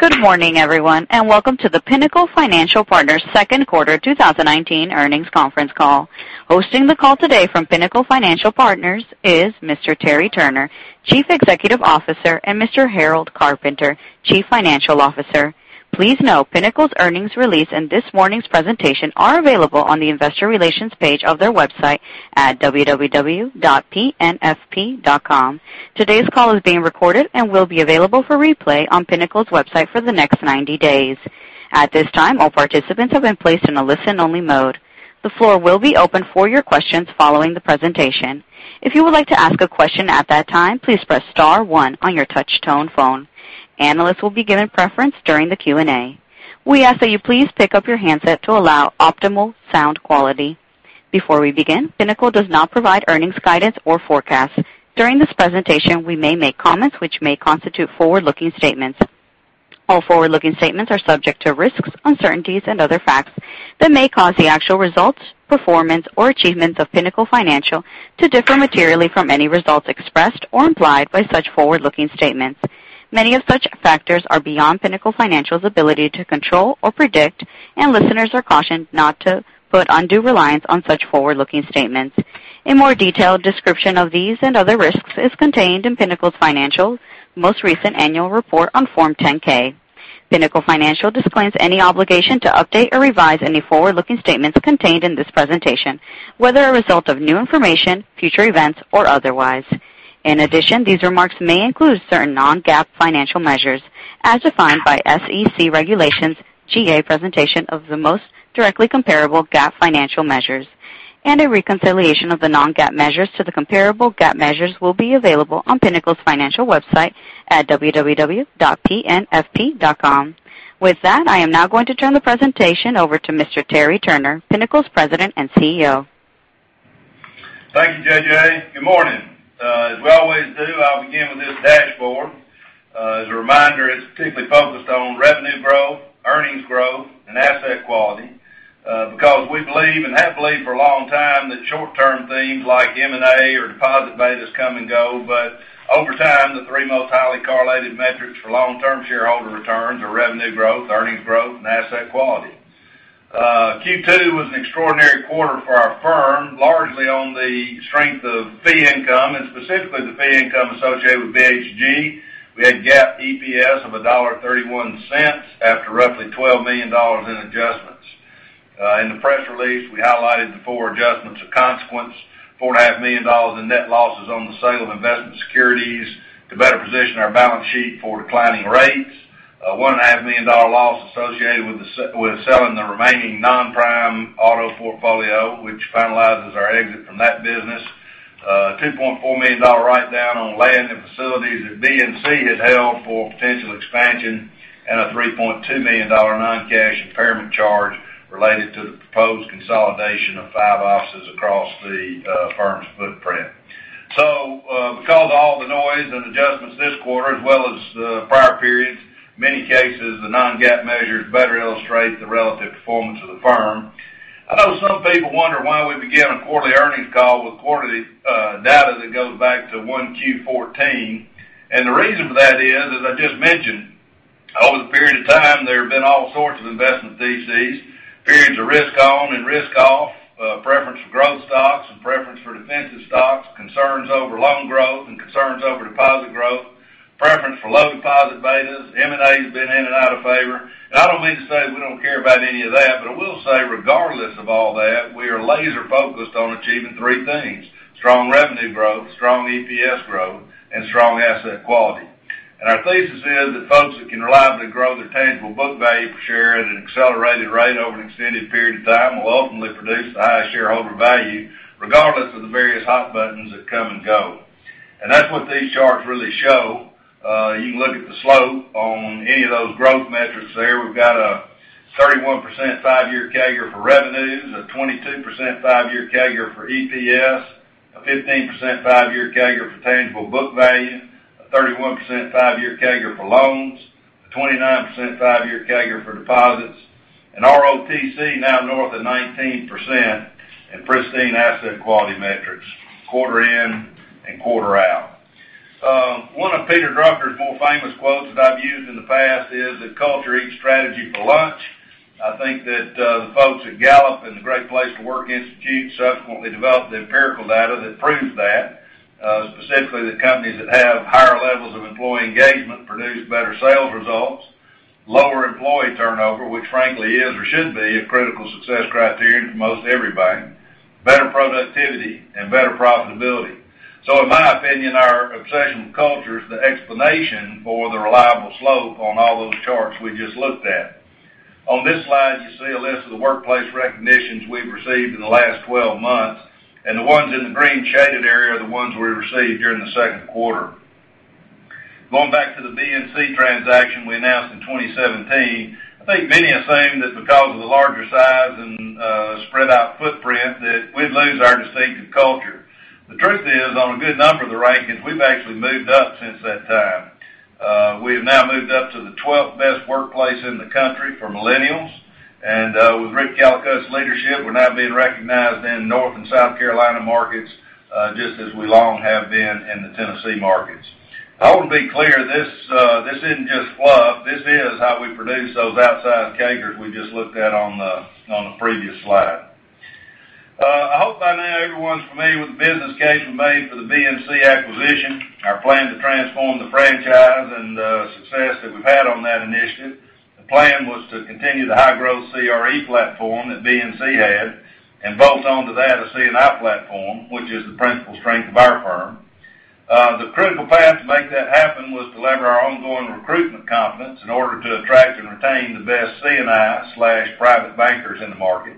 Good morning, everyone, and welcome to the Pinnacle Financial Partners' Second Quarter 2019 Earnings Conference Call. Hosting the call today from Pinnacle Financial Partners is Mr. Terry Turner, Chief Executive Officer, and Mr. Harold Carpenter, Chief Financial Officer. Please note Pinnacle's earnings release and this morning's presentation are available on the investor relations page of their website at www.pnfp.com. Today's call is being recorded and will be available for replay on Pinnacle's website for the next 90 days. At this time, all participants have been placed in a listen-only mode. The floor will be open for your questions following the presentation. If you would like to ask a question at that time, please press star one on your touch tone phone. Analysts will be given preference during the Q&A. We ask that you please pick up your handset to allow optimal sound quality. Before we begin, Pinnacle does not provide earnings guidance or forecasts. During this presentation, we may make comments which may constitute forward-looking statements. All forward-looking statements are subject to risks, uncertainties, and other facts that may cause the actual results, performance, or achievements of Pinnacle Financial to differ materially from any results expressed or implied by such forward-looking statements. Many of such factors are beyond Pinnacle Financial's ability to control or predict. Listeners are cautioned not to put undue reliance on such forward-looking statements. A more detailed description of these and other risks is contained in Pinnacle Financial's most recent annual report on Form 10-K. Pinnacle Financial disclaims any obligation to update or revise any forward-looking statements contained in this presentation, whether a result of new information, future events, or otherwise. In addition, these remarks may include certain non-GAAP financial measures as defined by SEC regulations. GAAP presentation of the most directly comparable GAAP financial measures, and a reconciliation of the non-GAAP measures to the comparable GAAP measures will be available on Pinnacle's Financial website at www.pnfp.com. With that, I am now going to turn the presentation over to Mr. Terry Turner, Pinnacle's President and CEO. Thank you, JJ. Good morning. As we always do, I'll begin with this dashboard. As a reminder, it's typically focused on revenue growth, earnings growth, and asset quality because we believe and have believed for a long time that short term themes like M&A or deposit betas come and go, but over time, the three most highly correlated metrics for long term shareholder returns are revenue growth, earnings growth, and asset quality. Q2 was an extraordinary quarter for our firm, largely on the strength of fee income and specifically the fee income associated with BHG. We had GAAP EPS of $1.31 after roughly $12 million in adjustments. In the press release, we highlighted the four adjustments of consequence, $4.5 million in net losses on the sale of investment securities to better position our balance sheet for declining rates, a $1.5 million loss associated with selling the remaining non-prime auto portfolio, which finalizes our exit from that business, a $2.4 million write-down on land and facilities that BNC had held for potential expansion, and a $3.2 million non-cash impairment charge related to the proposed consolidation of five offices across the firm's footprint. Because of all the noise and adjustments this quarter as well as the prior periods, in many cases, the non-GAAP measures better illustrate the relative performance of the firm. I know some people wonder why we begin a quarterly earnings call with quarterly data that goes back to one Q14, and the reason for that is, as I just mentioned, over the period of time, there have been all sorts of investment theses, periods of risk on and risk off, preference for growth stocks and preference for defensive stocks, concerns over loan growth and concerns over deposit growth, preference for low deposit betas, M&A has been in and out of favor. I don't mean to say we don't care about any of that, but I will say regardless of all that, we are laser focused on achieving three things, strong revenue growth, strong EPS growth, and strong asset quality. Our thesis is that folks that can reliably grow their tangible book value per share at an accelerated rate over an extended period of time will ultimately produce the highest shareholder value regardless of the various hot buttons that come and go. That's what these charts really show. You can look at the slope on any of those growth metrics there. We've got a 31% five-year CAGR for revenues, a 22% five-year CAGR for EPS, a 15% five-year CAGR for tangible book value, a 31% five-year CAGR for loans, a 29% five-year CAGR for deposits, an ROTCE now north of 19%, and pristine asset quality metrics quarter in and quarter out. One of Peter Drucker's more famous quotes that I've used in the past is that culture eats strategy for lunch. I think that the folks at Gallup and the Great Place to Work Institute subsequently developed the empirical data that proves that, specifically that companies that have higher levels of employee engagement produce better sales results, lower employee turnover, which frankly is or should be a critical success criterion for most everybody, better productivity, and better profitability. In my opinion, our obsession with culture is the explanation for the reliable slope on all those charts we just looked at. On this slide, you see a list of the workplace recognitions we've received in the last 12 months, and the ones in the green shaded area are the ones we received during the second quarter. Going back to the BNC transaction we announced in 2017, I think many assumed that because of the larger size and spread-out footprint, that we'd lose our distinctive culture. The truth is, on a good number of the rankings, we've actually moved up since that time. We have now moved up to the 12th best workplace in the country for millennials. With Rick Callicutt's leadership, we're now being recognized in North and South Carolina markets, just as we long have been in the Tennessee markets. I want to be clear, this isn't just fluff. This is how we produce those outside CAGRs we just looked at on the previous slide. I hope by now everyone's familiar with the business case we made for the BNC acquisition, our plan to transform the franchise, and the success that we've had on that initiative. The plan was to continue the high-growth CRE platform that BNC had, and bolt on to that a C&I platform, which is the principal strength of our firm. The critical path to make that happen was to lever our ongoing recruitment competence in order to attract and retain the best C&I/private bankers in the market.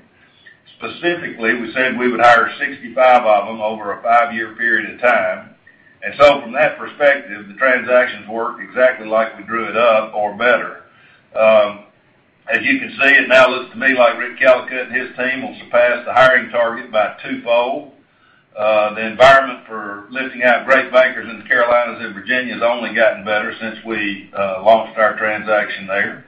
Specifically, we said we would hire 65 of them over a five-year period of time. From that perspective, the transactions work exactly like we drew it up or better. As you can see, it now looks to me like Rick Callicutt and his team will surpass the hiring target by twofold. The environment for lifting out great bankers in the Carolinas and Virginia has only gotten better since we launched our transaction there.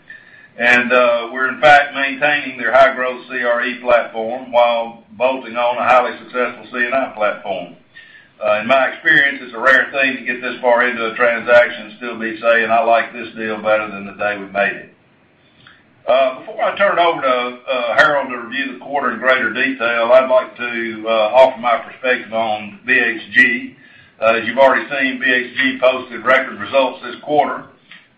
We're in fact maintaining their high-growth CRE platform while bolting on a highly successful C&I platform. In my experience, it's a rare thing to get this far into a transaction and still be saying, "I like this deal better than the day we made it." Before I turn it over to Harold to review the quarter in greater detail, I'd like to offer my perspective on BHG. As you've already seen, BHG posted record results this quarter.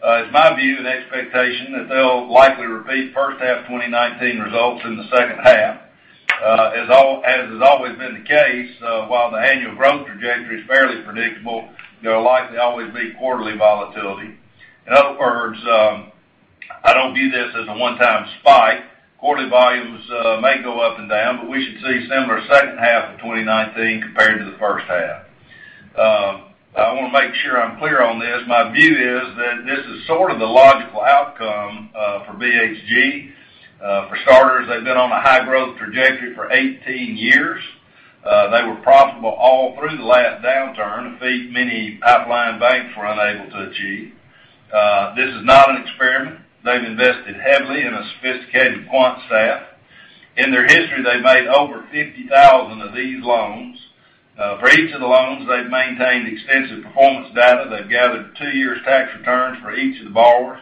It's my view and expectation that they'll likely repeat first half 2019 results in the second half. As has always been the case, while the annual growth trajectory is fairly predictable, there will likely always be quarterly volatility. In other words, I don't view this as a one-time spike. Quarterly volumes may go up and down, but we should see similar second half of 2019 compared to the first half. I want to make sure I'm clear on this. My view is that this is sort of the logical outcome for BHG. For starters, they've been on a high growth trajectory for 18 years. They were profitable all through the last downturn, a feat many outlying banks were unable to achieve. This is not an experiment. They've invested heavily in a sophisticated quant staff. In their history, they've made over 50,000 of these loans. For each of the loans, they've maintained extensive performance data. They've gathered two years' tax returns for each of the borrowers.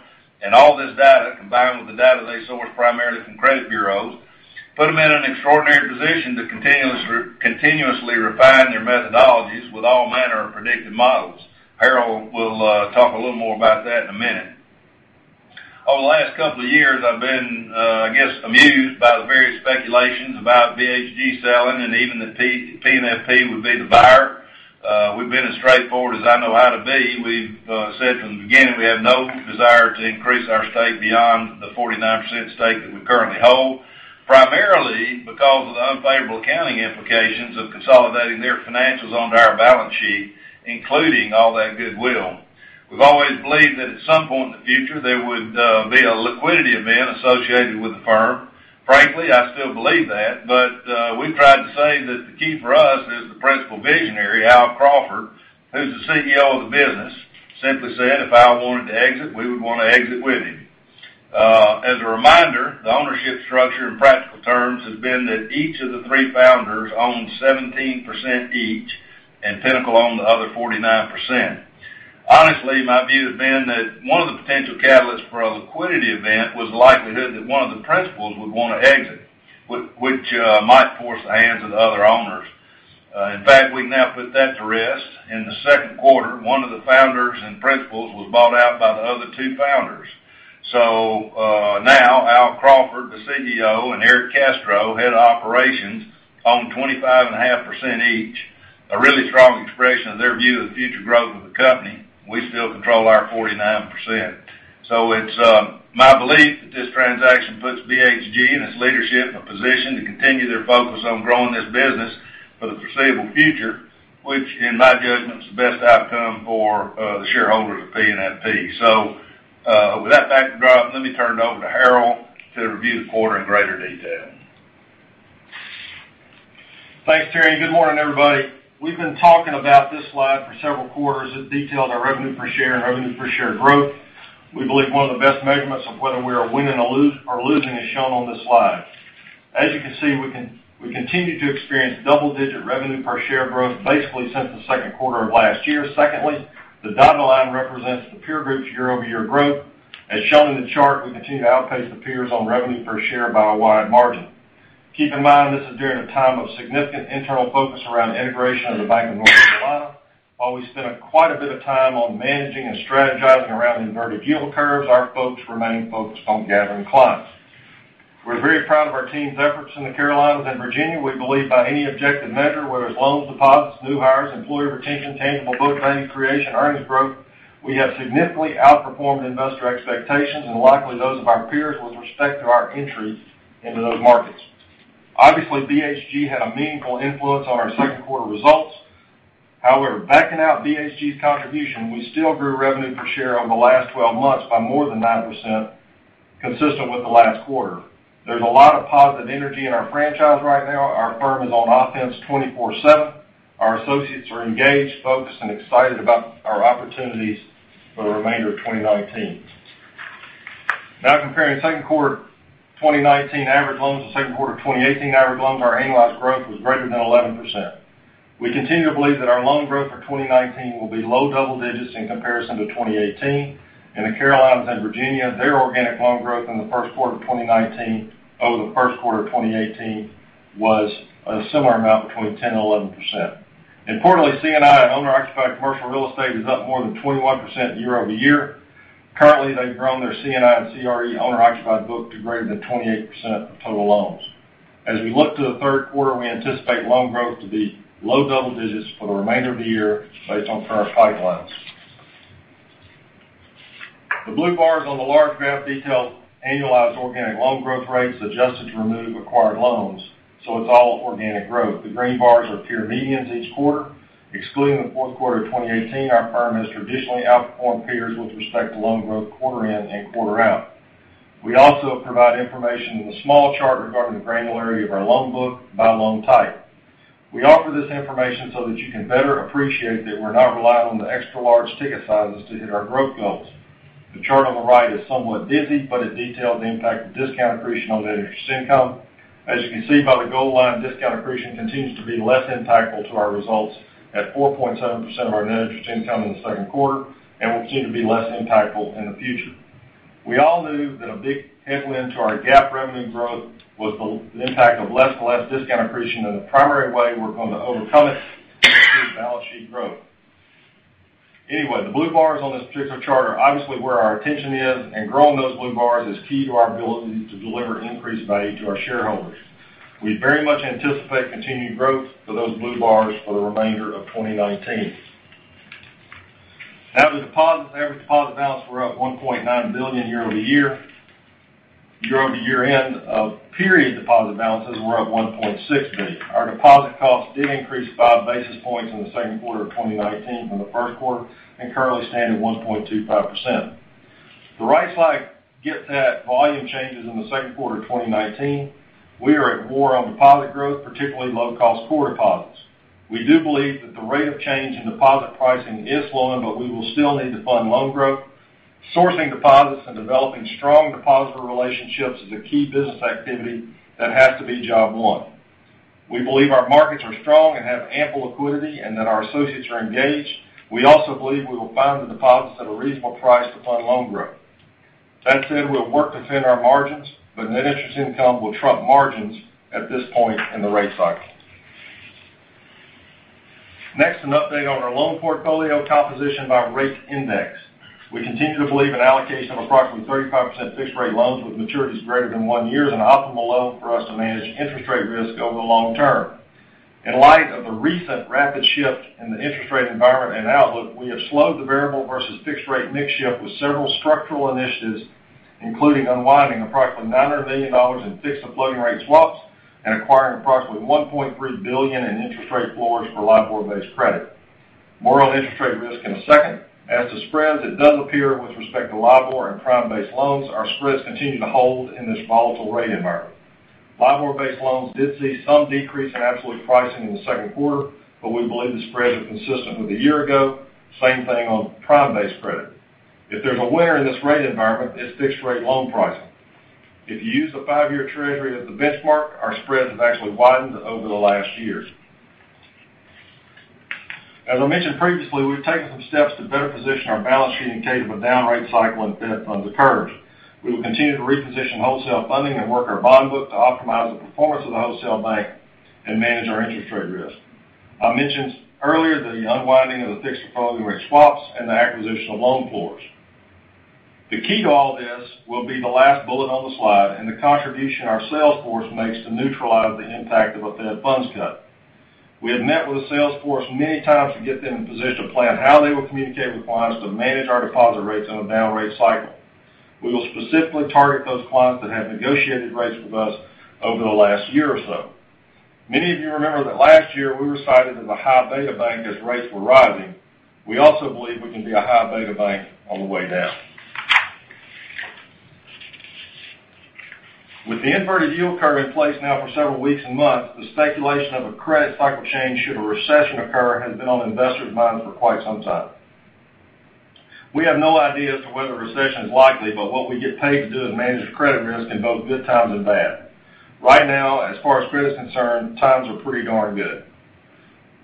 All this data, combined with the data they source primarily from credit bureaus, put them in an extraordinary position to continuously refine their methodologies with all manner of predictive models. Harold will talk a little more about that in a minute. Over the last couple of years, I've been, I guess, amused by the various speculations about BHG selling and even that PNFP would be the buyer. We've been as straightforward as I know how to be. We've said from the beginning, we have no desire to increase our stake beyond the 49% stake that we currently hold, primarily because of the unfavorable accounting implications of consolidating their financials onto our balance sheet, including all that goodwill. We've always believed that at some point in the future, there would be a liquidity event associated with the firm. Frankly, I still believe that, but we've tried to say that the key for us is the principal visionary, Al Crawford, who's the CEO of the business, simply said, if Al wanted to exit, we would want to exit with him. As a reminder, the ownership structure in practical terms has been that each of the three founders own 17% each and Pinnacle own the other 49%. Honestly, my view has been that one of the potential catalysts for a liquidity event was the likelihood that one of the principals would want to exit, which might force the hands of the other owners. In fact, we can now put that to rest. In the second quarter, one of the founders and principals was bought out by the other two founders. Now Al Crawford, the CEO, and Eric Castro, head of operations, own 25.5% each, a really strong expression of their view of the future growth of the company. We still control our 49%. It's my belief that this transaction puts BHG and its leadership in a position to continue their focus on growing this business for the foreseeable future, which, in my judgment, is the best outcome for the shareholders of PNFP. With that backdrop, let me turn it over to Harold to review the quarter in greater detail. Thanks, Terry, and good morning, everybody. We've been talking about this slide for several quarters. It details our revenue per share and revenue per share growth. We believe one of the best measurements of whether we are winning or losing is shown on this slide. As you can see, we continue to experience double-digit revenue per share growth basically since the second quarter of last year. Secondly, the dotted line represents the peer group's year-over-year growth. As shown in the chart, we continue to outpace the peers on revenue per share by a wide margin. Keep in mind, this is during a time of significant internal focus around integration of the Bank of North Carolina. While we spent quite a bit of time on managing and strategizing around inverted yield curves, our folks remained focused on gathering clients. We're very proud of our team's efforts in the Carolinas and Virginia. We believe by any objective measure, whether it's loans, deposits, new hires, employee retention, tangible book value creation, earnings growth, we have significantly outperformed investor expectations and likely those of our peers with respect to our entry into those markets. BHG had a meaningful influence on our second quarter results. However, backing out BHG's contribution, we still grew revenue per share over the last 12 months by more than 9%, consistent with the last quarter. There's a lot of positive energy in our franchise right now. Our firm is on offense 24/7. Our associates are engaged, focused, and excited about our opportunities for the remainder of 2019. Comparing second quarter 2019 average loans to second quarter 2018 average loans, our annualized growth was greater than 11%. We continue to believe that our loan growth for 2019 will be low double digits in comparison to 2018. In the Carolinas and Virginia, their organic loan growth in the first quarter of 2019 over the first quarter of 2018 was a similar amount, between 10% and 11%. Importantly, C&I owner-occupied commercial real estate is up more than 21% year-over-year. Currently, they've grown their C&I and CRE owner-occupied book to greater than 28% of total loans. We look to the third quarter, we anticipate loan growth to be low double digits for the remainder of the year based on current pipelines. The blue bars on the large graph detail annualized organic loan growth rates adjusted to remove acquired loans. It's all organic growth. The green bars are peer medians each quarter. Excluding the fourth quarter of 2018, our firm has traditionally outperformed peers with respect to loan growth quarter in and quarter out. We also provide information in the small chart regarding the granularity of our loan book by loan type. We offer this information so that you can better appreciate that we're not reliant on the extra large ticket sizes to hit our growth goals. The chart on the right is somewhat busy, but it details the impact of discount accretion on net interest income. You can see by the gold line, discount accretion continues to be less impactful to our results at 4.7% of our net interest income in the second quarter and will continue to be less impactful in the future. We all knew that a big headwind to our GAAP revenue growth was the impact of less discount accretion, the primary way we're going to overcome it is through balance sheet growth. The blue bars on this particular chart are obviously where our attention is, growing those blue bars is key to our ability to deliver increased value to our shareholders. We very much anticipate continued growth for those blue bars for the remainder of 2019. Average deposits. Average deposit balance were up $1.9 billion year-over-year. Year-over-year end of period deposit balances were up $1.6 billion. Our deposit costs did increase 5 basis points in the second quarter of 2019 from the first quarter and currently stand at 1.25%. The right slide gets at volume changes in the second quarter of 2019. We are at war on deposit growth, particularly low-cost core deposits. We do believe that the rate of change in deposit pricing is slowing, we will still need to fund loan growth. Sourcing deposits and developing strong depositor relationships is a key business activity that has to be job one. We believe our markets are strong and have ample liquidity, and that our associates are engaged. We also believe we will find the deposits at a reasonable price to fund loan growth. That said, we'll work to defend our margins, but net interest income will trump margins at this point in the rate cycle. Next, an update on our loan portfolio composition by rate index. We continue to believe an allocation of approximately 35% fixed rate loans with maturities greater than one year is an optimal loan for us to manage interest rate risk over the long term. In light of the recent rapid shift in the interest rate environment and outlook, we have slowed the variable versus fixed rate mix shift with several structural initiatives, including unwinding approximately $900 million in fixed floating rate swaps and acquiring approximately $1.3 billion in interest rate floors for LIBOR-based credit. More on interest rate risk in a second. As to spreads, it does appear with respect to LIBOR and prime-based loans, our spreads continue to hold in this volatile rate environment. LIBOR-based loans did see some decrease in absolute pricing in the second quarter, but we believe the spreads are consistent with a year ago. Same thing on prime-based credit. If there's a winner in this rate environment, it's fixed rate loan pricing. If you use the five-year Treasury as the benchmark, our spreads have actually widened over the last years. As I mentioned previously, we've taken some steps to better position our balance sheet in case of a down rate cycle and Fed funds occurs. We will continue to reposition wholesale funding and work our bond book to optimize the performance of the wholesale bank and manage our interest rate risk. I mentioned earlier the unwinding of the fixed floating rate swaps and the acquisition of loan floors. The key to all this will be the last bullet on the slide and the contribution our sales force makes to neutralize the impact of a Fed funds cut. We have met with the sales force many times to get them in position to plan how they will communicate with clients to manage our deposit rates in a down rate cycle. We will specifically target those clients that have negotiated rates with us over the last year or so. Many of you remember that last year we were cited as a high beta bank as rates were rising. We also believe we can be a high beta bank on the way down. With the inverted yield curve in place now for several weeks and months, the speculation of a credit cycle change should a recession occur has been on investors' minds for quite some time. We have no idea as to whether a recession is likely, but what we get paid to do is manage credit risk in both good times and bad. Right now, as far as credit's concerned, times are pretty darn good.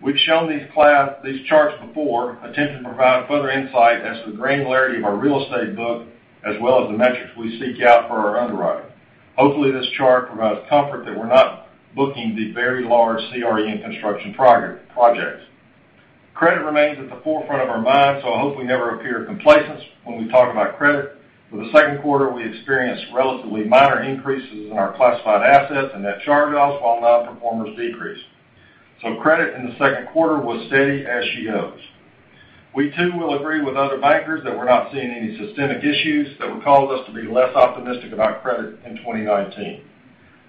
We've shown these charts before, attempting to provide further insight as to the granularity of our real estate book, as well as the metrics we seek out for our underwriting. Hopefully, this chart provides comfort that we're not booking the very large CRE and construction projects. Credit remains at the forefront of our minds, I hope we never appear complacent when we talk about credit. For the second quarter, we experienced relatively minor increases in our classified assets and net charge-offs, while non-performers decreased. Credit in the second quarter was steady as she goes. We, too, will agree with other bankers that we're not seeing any systemic issues that would cause us to be less optimistic about credit in 2019.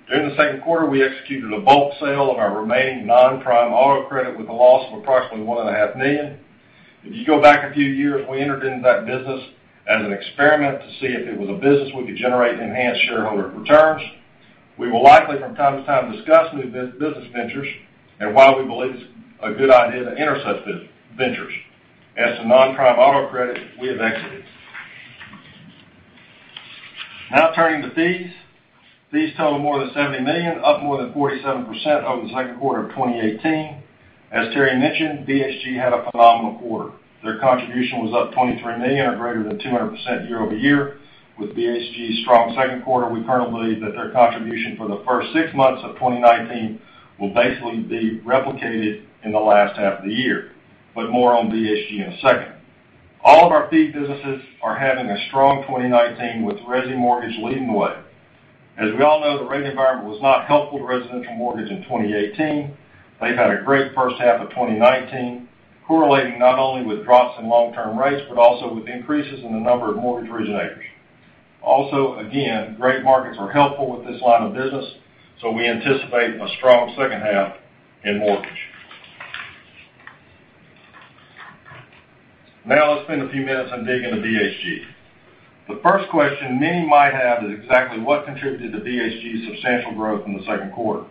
During the second quarter, we executed a bulk sale of our remaining non-prime auto credit with a loss of approximately $1.5 million. If you go back a few years, we entered into that business as an experiment to see if it was a business we could generate enhanced shareholder returns. We will likely from time to time discuss new business ventures and why we believe it's a good idea to enter such ventures. As to non-prime auto credit, we have exited. Turning to fees. Fees total more than $70 million, up more than 47% over the second quarter of 2018. As Terry mentioned, BHG had a phenomenal quarter. Their contribution was up $23 million or greater than 200% year-over-year. With BHG's strong second quarter, we currently believe that their contribution for the first six months of 2019 will basically be replicated in the last half of the year, more on BHG in a second. All of our fee businesses are having a strong 2019 with resi mortgage leading the way. As we all know, the rate environment was not helpful to residential mortgage in 2018. They've had a great first half of 2019, correlating not only with drops in long-term rates, but also with increases in the number of mortgage originators. Also, again, great markets are helpful with this line of business, so we anticipate a strong second half in mortgage. Let's spend a few minutes on digging into BHG. The first question many might have is exactly what contributed to BHG's substantial growth in the second quarter.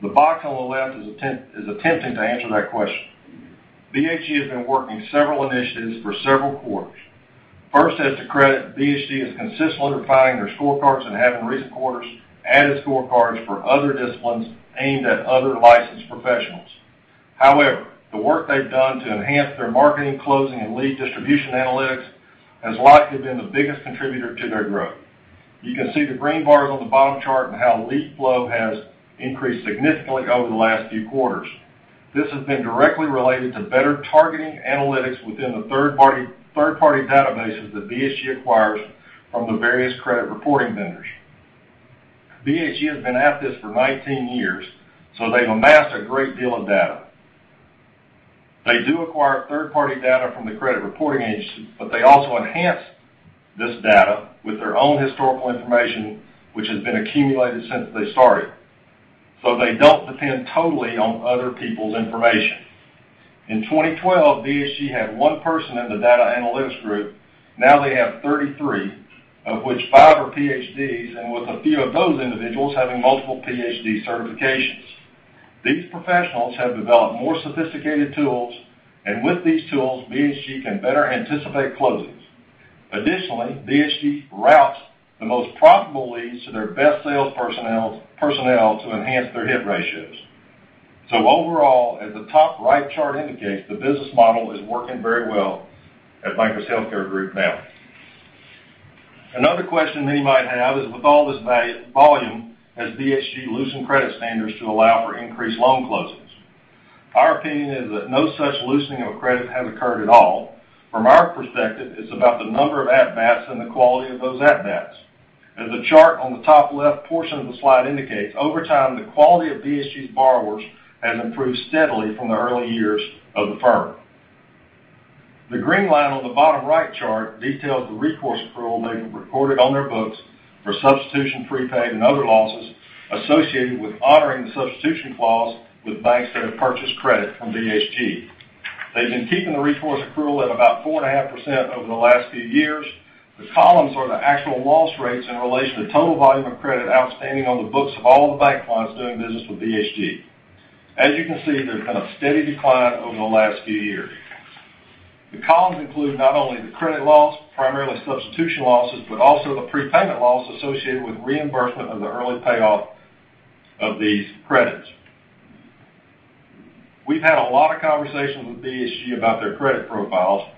The box on the left is attempting to answer that question. BHG has been working several initiatives for several quarters. First, it's to credit, BHG is consistently refining their scorecards and have, in recent quarters, added scorecards for other disciplines aimed at other licensed professionals. The work they've done to enhance their marketing, closing, and lead distribution analytics has likely been the biggest contributor to their growth. You can see the green bars on the bottom chart and how lead flow has increased significantly over the last few quarters. This has been directly related to better targeting analytics within the third-party databases that BHG acquires from the various credit reporting vendors. BHG has been at this for 19 years, so they've amassed a great deal of data. They do acquire third-party data from the credit reporting agencies, but they also enhance this data with their own historical information, which has been accumulated since they started. They don't depend totally on other people's information. In 2012, BHG had one person in the data analytics group. Now they have 33, of which five are PhDs, and with a few of those individuals having multiple PhD certifications. These professionals have developed more sophisticated tools, and with these tools, BHG can better anticipate closings. Additionally, BHG routes the most profitable leads to their best sales personnel to enhance their hit ratios. Overall, as the top right chart indicates, the business model is working very well at Bankers Healthcare Group now. Another question many might have is, with all this volume, has BHG loosened credit standards to allow for increased loan closings? Our opinion is that no such loosening of credit has occurred at all. From our perspective, it's about the number of advents and the quality of those advents. As the chart on the top left portion of the slide indicates, over time, the quality of BHG's borrowers has improved steadily from the early years of the firm. The green line on the bottom right chart details the recourse accrual they've recorded on their books for substitution, prepaid, and other losses associated with honoring the substitution clause with banks that have purchased credit from BHG. They've been keeping the recourse accrual at about 4.5% over the last few years. The columns are the actual loss rates in relation to total volume of credit outstanding on the books of all the bank clients doing business with BHG. As you can see, there's been a steady decline over the last few years. The columns include not only the credit loss, primarily substitution losses, but also the prepayment loss associated with reimbursement of the early payoff of these credits. We've had a lot of conversations with BHG about their credit profiles.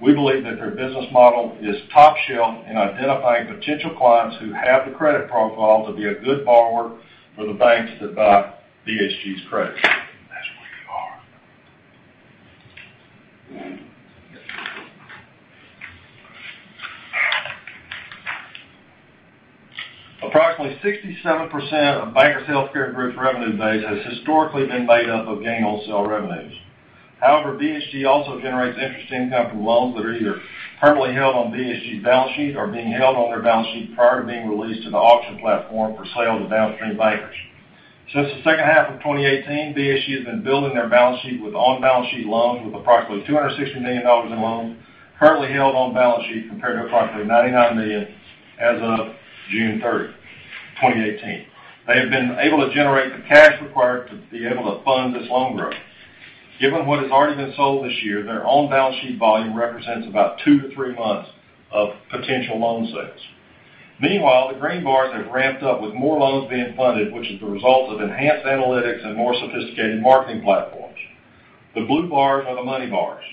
We believe that their business model is top shelf in identifying potential clients who have the credit profile to be a good borrower for the banks that buy BHG's credit. Approximately 67% of Bankers Healthcare Group's revenue base has historically been made up of gain-on-sale revenues. BHG also generates interest income from loans that are either currently held on BHG's balance sheet or being held on their balance sheet prior to being released to the auction platform for sale to downstream bankers. Since the second half of 2018, BHG has been building their balance sheet with on-balance sheet loans with approximately $260 million in loans currently held on balance sheet, compared to approximately $99 million as of June 30, 2018. They have been able to generate the cash required to be able to fund this loan growth. Given what has already been sold this year, their own balance sheet volume represents about two to three months of potential loan sales. Meanwhile, the green bars have ramped up with more loans being funded, which is the result of enhanced analytics and more sophisticated marketing platforms. The blue bars are the money bars.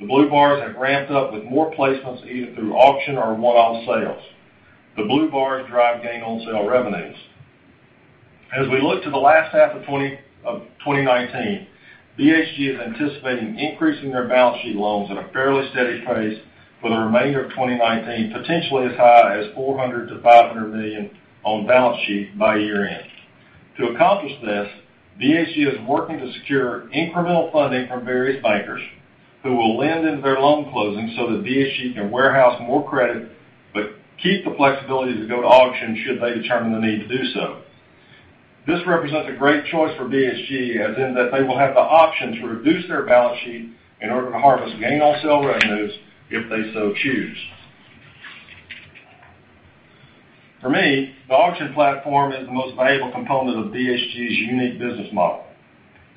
The blue bars have ramped up with more placements, either through auction or one-off sales. The blue bars drive gain on sale revenues. As we look to the last half of 2019, BHG is anticipating increasing their balance sheet loans at a fairly steady pace for the remainder of 2019, potentially as high as $400 million-$500 million on balance sheet by year-end. To accomplish this, BHG is working to secure incremental funding from various bankers who will lend into their loan closings so that BHG can warehouse more credit, but keep the flexibility to go to auction should they determine the need to do so. This represents a great choice for BHG as in that they will have the option to reduce their balance sheet in order to harvest gain on sale revenues if they so choose. For me, the auction platform is the most valuable component of BHG's unique business model.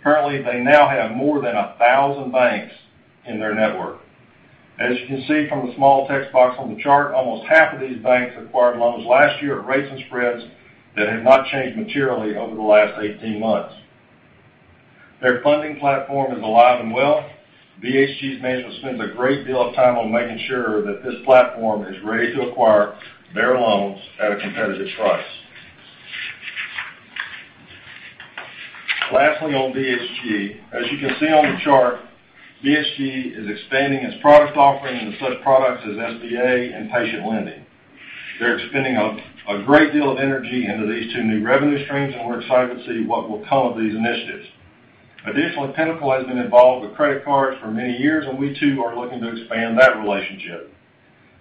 Currently, they now have more than 1,000 banks in their network. As you can see from the small text box on the chart, almost half of these banks acquired loans last year at rates and spreads that have not changed materially over the last 18 months. Their funding platform is alive and well. BHG's management spends a great deal of time on making sure that this platform is ready to acquire their loans at a competitive price. Lastly, on BHG, as you can see on the chart, BHG is expanding its product offering into such products as SBA and patient lending. They're expending a great deal of energy into these two new revenue streams, and we're excited to see what will come of these initiatives. Additionally, Pinnacle has been involved with credit cards for many years, and we too are looking to expand that relationship.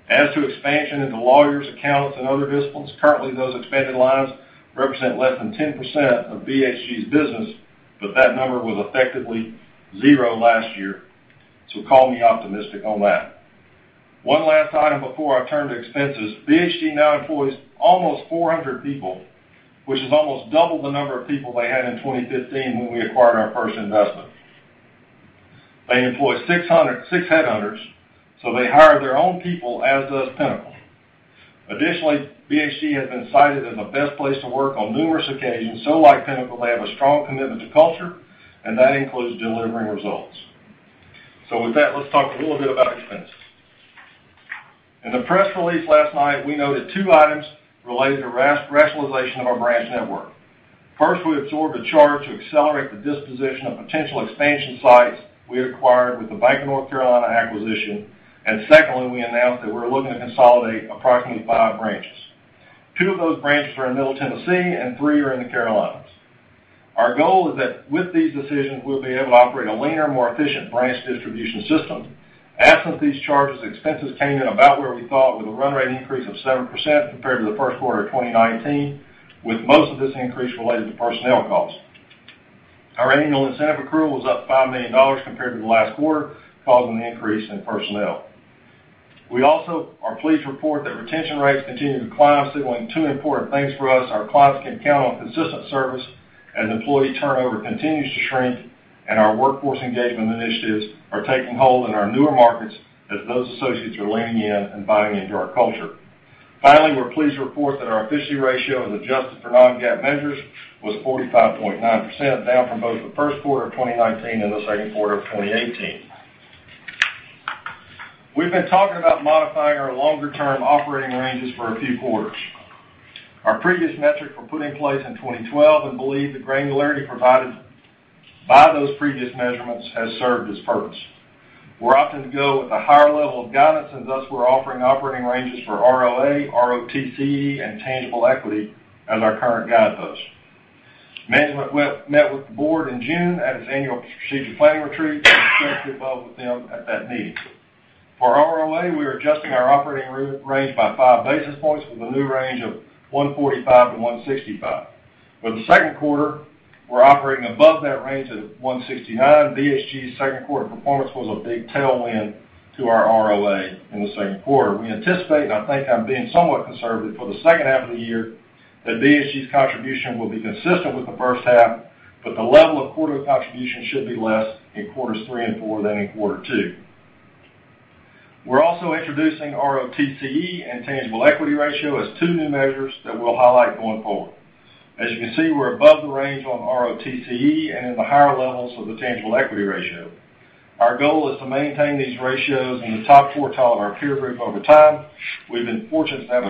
As to expansion into lawyers, accountants, and other disciplines, currently, those expanded lines represent less than 10% of BHG's business, but that number was effectively zero last year. Call me optimistic on that. One last item before I turn to expenses. BHG now employs almost 400 people, which is almost double the number of people they had in 2015 when we acquired our first investment. They employ six headhunters, so they hire their own people as does Pinnacle. Additionally, BHG has been cited as the best place to work on numerous occasions, so like Pinnacle, they have a strong commitment to culture, and that includes delivering results. With that, let's talk a little bit about expenses. In the press release last night, we noted two items related to rationalization of our branch network. First, we absorbed a charge to accelerate the disposition of potential expansion sites we acquired with the Bank of North Carolina acquisition. Secondly, we announced that we're looking to consolidate approximately five branches. Two of those branches are in Middle Tennessee, and three are in the Carolinas. Our goal is that with these decisions, we'll be able to operate a leaner, more efficient branch distribution system. Absent these charges, expenses came in about where we thought with a run rate increase of 7% compared to the first quarter of 2019, with most of this increase related to personnel costs. Our annual incentive accrual was up $5 million compared to the last quarter, causing the increase in personnel. We also are pleased to report that retention rates continue to climb, signaling two important things for us. Our clients can count on consistent service as employee turnover continues to shrink, and our workforce engagement initiatives are taking hold in our newer markets as those associates are leaning in and buying into our culture. Finally, we're pleased to report that our efficiency ratio as adjusted for non-GAAP measures was 45.9%, down from both the first quarter of 2019 and the second quarter of 2018. We've been talking about modifying our longer-term operating ranges for a few quarters. Our previous metric were put in place in 2012 and believe the granularity provided by those previous measurements has served its purpose. We're opting to go with a higher level of guidance, thus we're offering operating ranges for ROA, ROTCE, and tangible equity as our current guideposts. Management met with the board in June at its annual strategic planning retreat and discussed the above with them at that meeting. For ROA, we are adjusting our operating range by five basis points with a new range of 145-165. For the second quarter, we're operating above that range at 169. BHG's second quarter performance was a big tailwind to our ROA in the second quarter. We anticipate, and I think I'm being somewhat conservative for the second half of the year, that BHG's contribution will be consistent with the first half, but the level of quarterly contribution should be less in quarters three and four than in quarter two. We're also introducing ROTCE and tangible equity ratio as two new measures that we'll highlight going forward. As you can see, we're above the range on ROTCE and in the higher levels of the tangible equity ratio. Our goal is to maintain these ratios in the top quartile of our peer group over time. We've been fortunate to have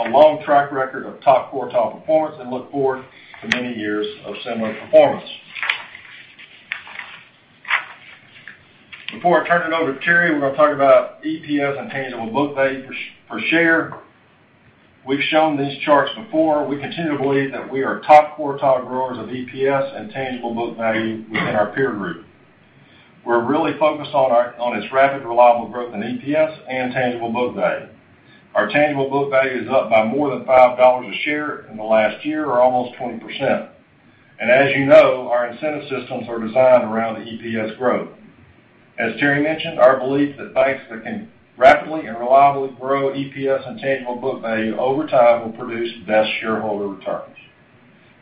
a long track record of top quartile performance and look forward to many years of similar performance. Before I turn it over to Terry, we're going to talk about EPS and tangible book value per share. We've shown these charts before. We continue to believe that we are top quartile growers of EPS and tangible book value within our peer group. We're really focused on this rapid, reliable growth in EPS and tangible book value. Our tangible book value is up by more than $5 a share in the last year or almost 20%. As you know, our incentive systems are designed around the EPS growth. As Terry mentioned, our belief that banks that can rapidly and reliably grow EPS and tangible book value over time will produce the best shareholder returns.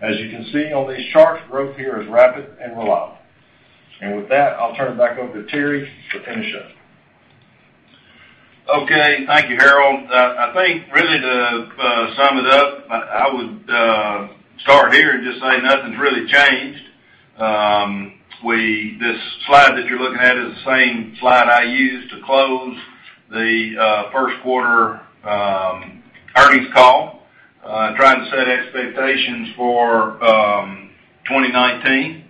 As you can see on these charts, growth here is rapid and reliable. With that, I'll turn it back over to Terry to finish up. Okay. Thank you, Harold. I think really to sum it up, I would start here and just say nothing's really changed. This slide that you're looking at is the same slide I used to close the first quarter earnings call, trying to set expectations for 2019.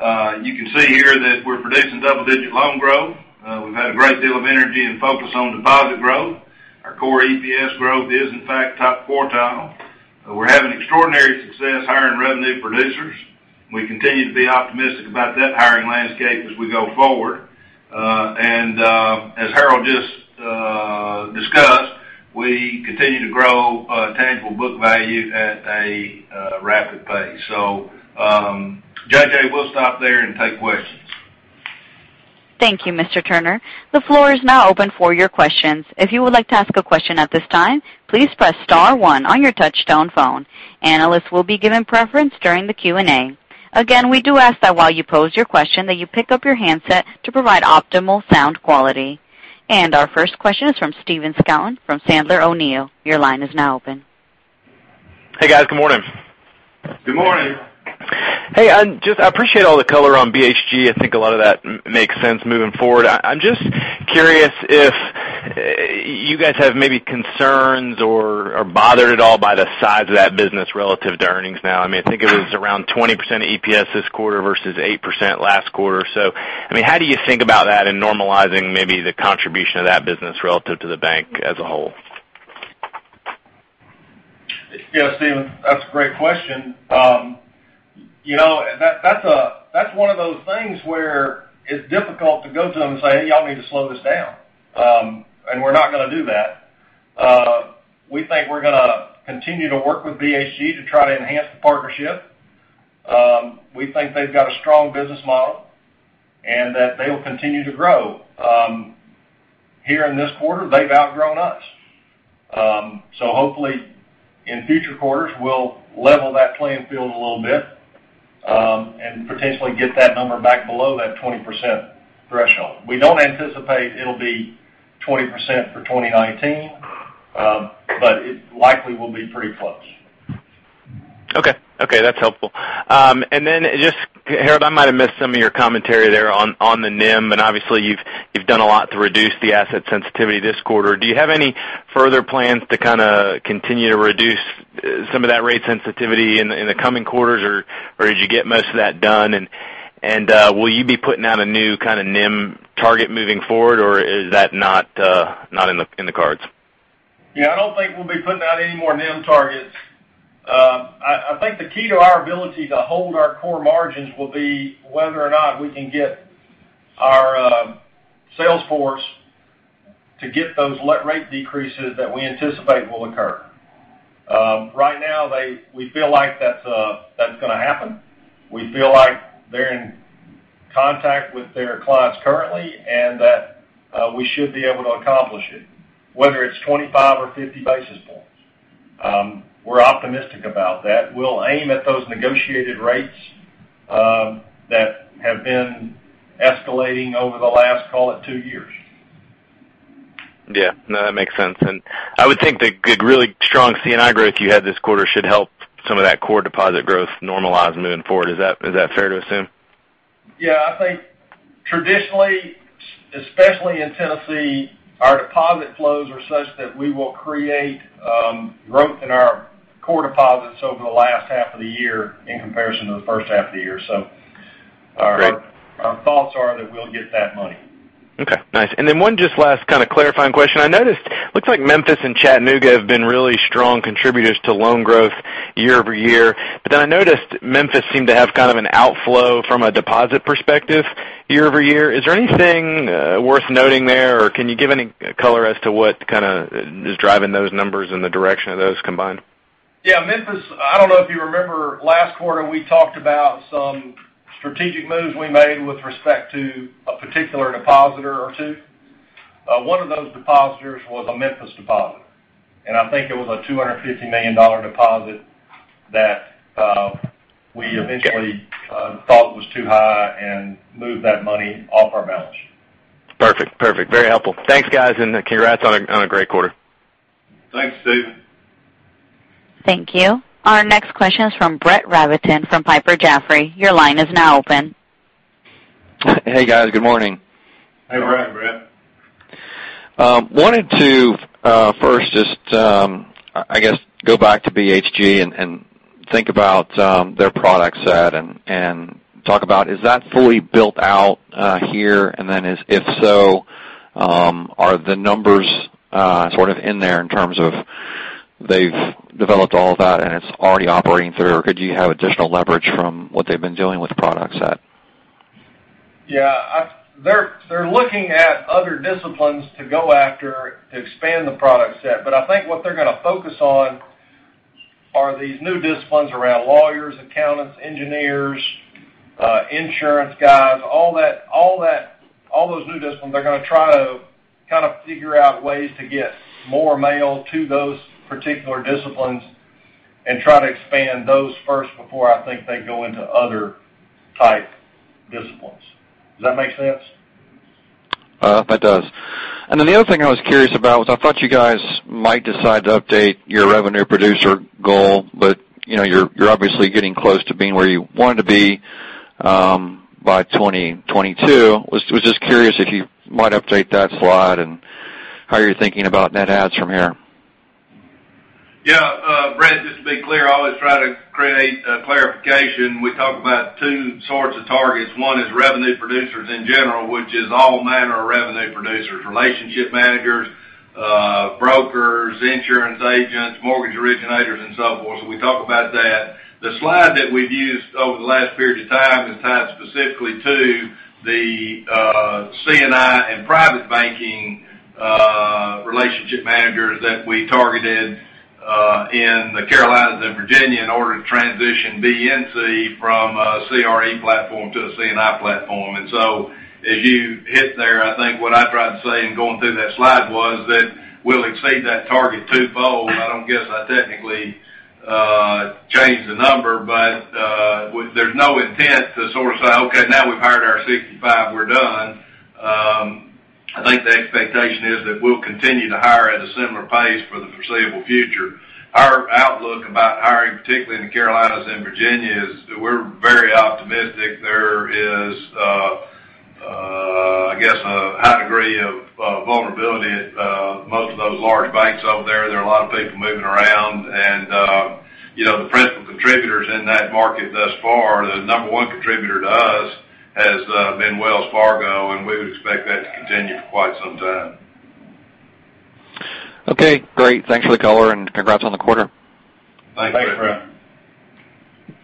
You can see here that we're producing double-digit loan growth. We've had a great deal of energy and focus on deposit growth. Our core EPS growth is in fact top quartile. We're having extraordinary success hiring revenue producers. We continue to be optimistic about that hiring landscape as we go forward. As Harold just discussed, we continue to grow tangible book value at a rapid pace. JJ, we'll stop there and take questions. Thank you, Mr. Turner. The floor is now open for your questions. If you would like to ask a question at this time, please press star one on your touch-tone phone. Analysts will be given preference during the Q&A. Again, we do ask that while you pose your question, that you pick up your handset to provide optimal sound quality. Our first question is from Stephen Scouten from Sandler O'Neill. Your line is now open. Hey, guys. Good morning. Good morning. I appreciate all the color on BHG. I think a lot of that makes sense moving forward. I'm just curious if you guys have maybe concerns or are bothered at all by the size of that business relative to earnings now. I think it was around 20% EPS this quarter versus 8% last quarter. How do you think about that in normalizing maybe the contribution of that business relative to the bank as a whole? Yeah, Stephen, that's a great question. That's one of those things where it's difficult to go to them and say, "Hey, y'all need to slow this down." We're not going to do that. We think we're going to continue to work with BHG to try to enhance the partnership. We think they've got a strong business model, and that they will continue to grow. Here in this quarter, they've outgrown us. Hopefully, in future quarters, we'll level that playing field a little bit, and potentially get that number back below that 20% threshold. We don't anticipate it'll be 20% for 2019, but it likely will be pretty close. Okay. That's helpful. Just, Harold, I might have missed some of your commentary there on the NIM, and obviously you've done a lot to reduce the asset sensitivity this quarter. Do you have any further plans to continue to reduce some of that rate sensitivity in the coming quarters, or did you get most of that done? Will you be putting out a new kind of NIM target moving forward, or is that not in the cards? Yeah, I don't think we'll be putting out any more NIM targets. I think the key to our ability to hold our core margins will be whether or not we can get our sales force to get those rate decreases that we anticipate will occur. Right now, we feel like that's going to happen. We feel like they're in contact with their clients currently, and that we should be able to accomplish it, whether it's 25 or 50 basis points. We're optimistic about that. We'll aim at those negotiated rates that have been escalating over the last, call it, two years. Yeah. No, that makes sense. I would think the really strong C&I growth you had this quarter should help some of that core deposit growth normalize moving forward. Is that fair to assume? Yeah, I think traditionally, especially in Tennessee, our deposit flows are such that we will create growth in our core deposits over the last half of the year in comparison to the first half of the year- Great. Our thoughts are that we'll get that money. Okay, nice. One just last kind of clarifying question. I noticed, looks like Memphis and Chattanooga have been really strong contributors to loan growth year-over-year. I noticed Memphis seemed to have kind of an outflow from a deposit perspective year-over-year. Is there anything worth noting there, or can you give any color as to what kind of is driving those numbers and the direction of those combined? Memphis, I don't know if you remember, last quarter, we talked about some strategic moves we made with respect to a particular depositor or two. One of those depositors was a Memphis depositor, and I think it was a $250 million deposit that we eventually. Okay. Thought was too high and moved that money off our balance sheet. Perfect. Very helpful. Thanks, guys, and congrats on a great quarter. Thanks, Stephen. Thank you. Our next question is from Brett Rabatin from Piper Jaffray. Your line is now open. Hey, guys. Good morning. Hey, Brett. Hey, Brett. Wanted to first just go back to BHG and think about their product set and talk about, is that fully built out here? If so, are the numbers sort of in there in terms of they've developed all of that and it's already operating through, or could you have additional leverage from what they've been doing with the product set? Yeah. They're looking at other disciplines to go after to expand the product set. I think what they're going to focus on are these new disciplines around lawyers, accountants, engineers, insurance guys. All those new disciplines, they're going to try to kind of figure out ways to get more mail to those particular disciplines and try to expand those first before I think they go into other type disciplines. Does that make sense? That does. The other thing I was curious about was I thought you guys might decide to update your revenue producer goal, you're obviously getting close to being where you wanted to be by 2022. I was just curious if you might update that slide and how you're thinking about net adds from here. Yeah. Brett, just to be clear, I always try to create a clarification. We talk about two sorts of targets. One is revenue producers in general, which is all manner of revenue producers, relationship managers, brokers, insurance agents, mortgage originators, and so forth. We talk about that. The slide that we've used over the last period of time is tied specifically to the C&I and private banking relationship managers that we targeted in the Carolinas and Virginia in order to transition BNC from a CRE platform to a C&I platform. As you hit there, I think what I tried to say in going through that slide was that we'll exceed that target twofold. I don't guess I technically changed the number, but there's no intent to sort of say, "Okay, now we've hired our 65, we're done." I think the expectation is that we'll continue to hire at a similar pace for the foreseeable future. Our outlook about hiring, particularly in the Carolinas and Virginia, is we're very optimistic. There is a high degree of vulnerability at most of those large banks over there. There are a lot of people moving around. The principal contributors in that market thus far, the number 1 one contributor to us has been Wells Fargo. We would expect that to continue for quite some time. Okay, great. Thanks for the color and congrats on the quarter. Thanks, Brett.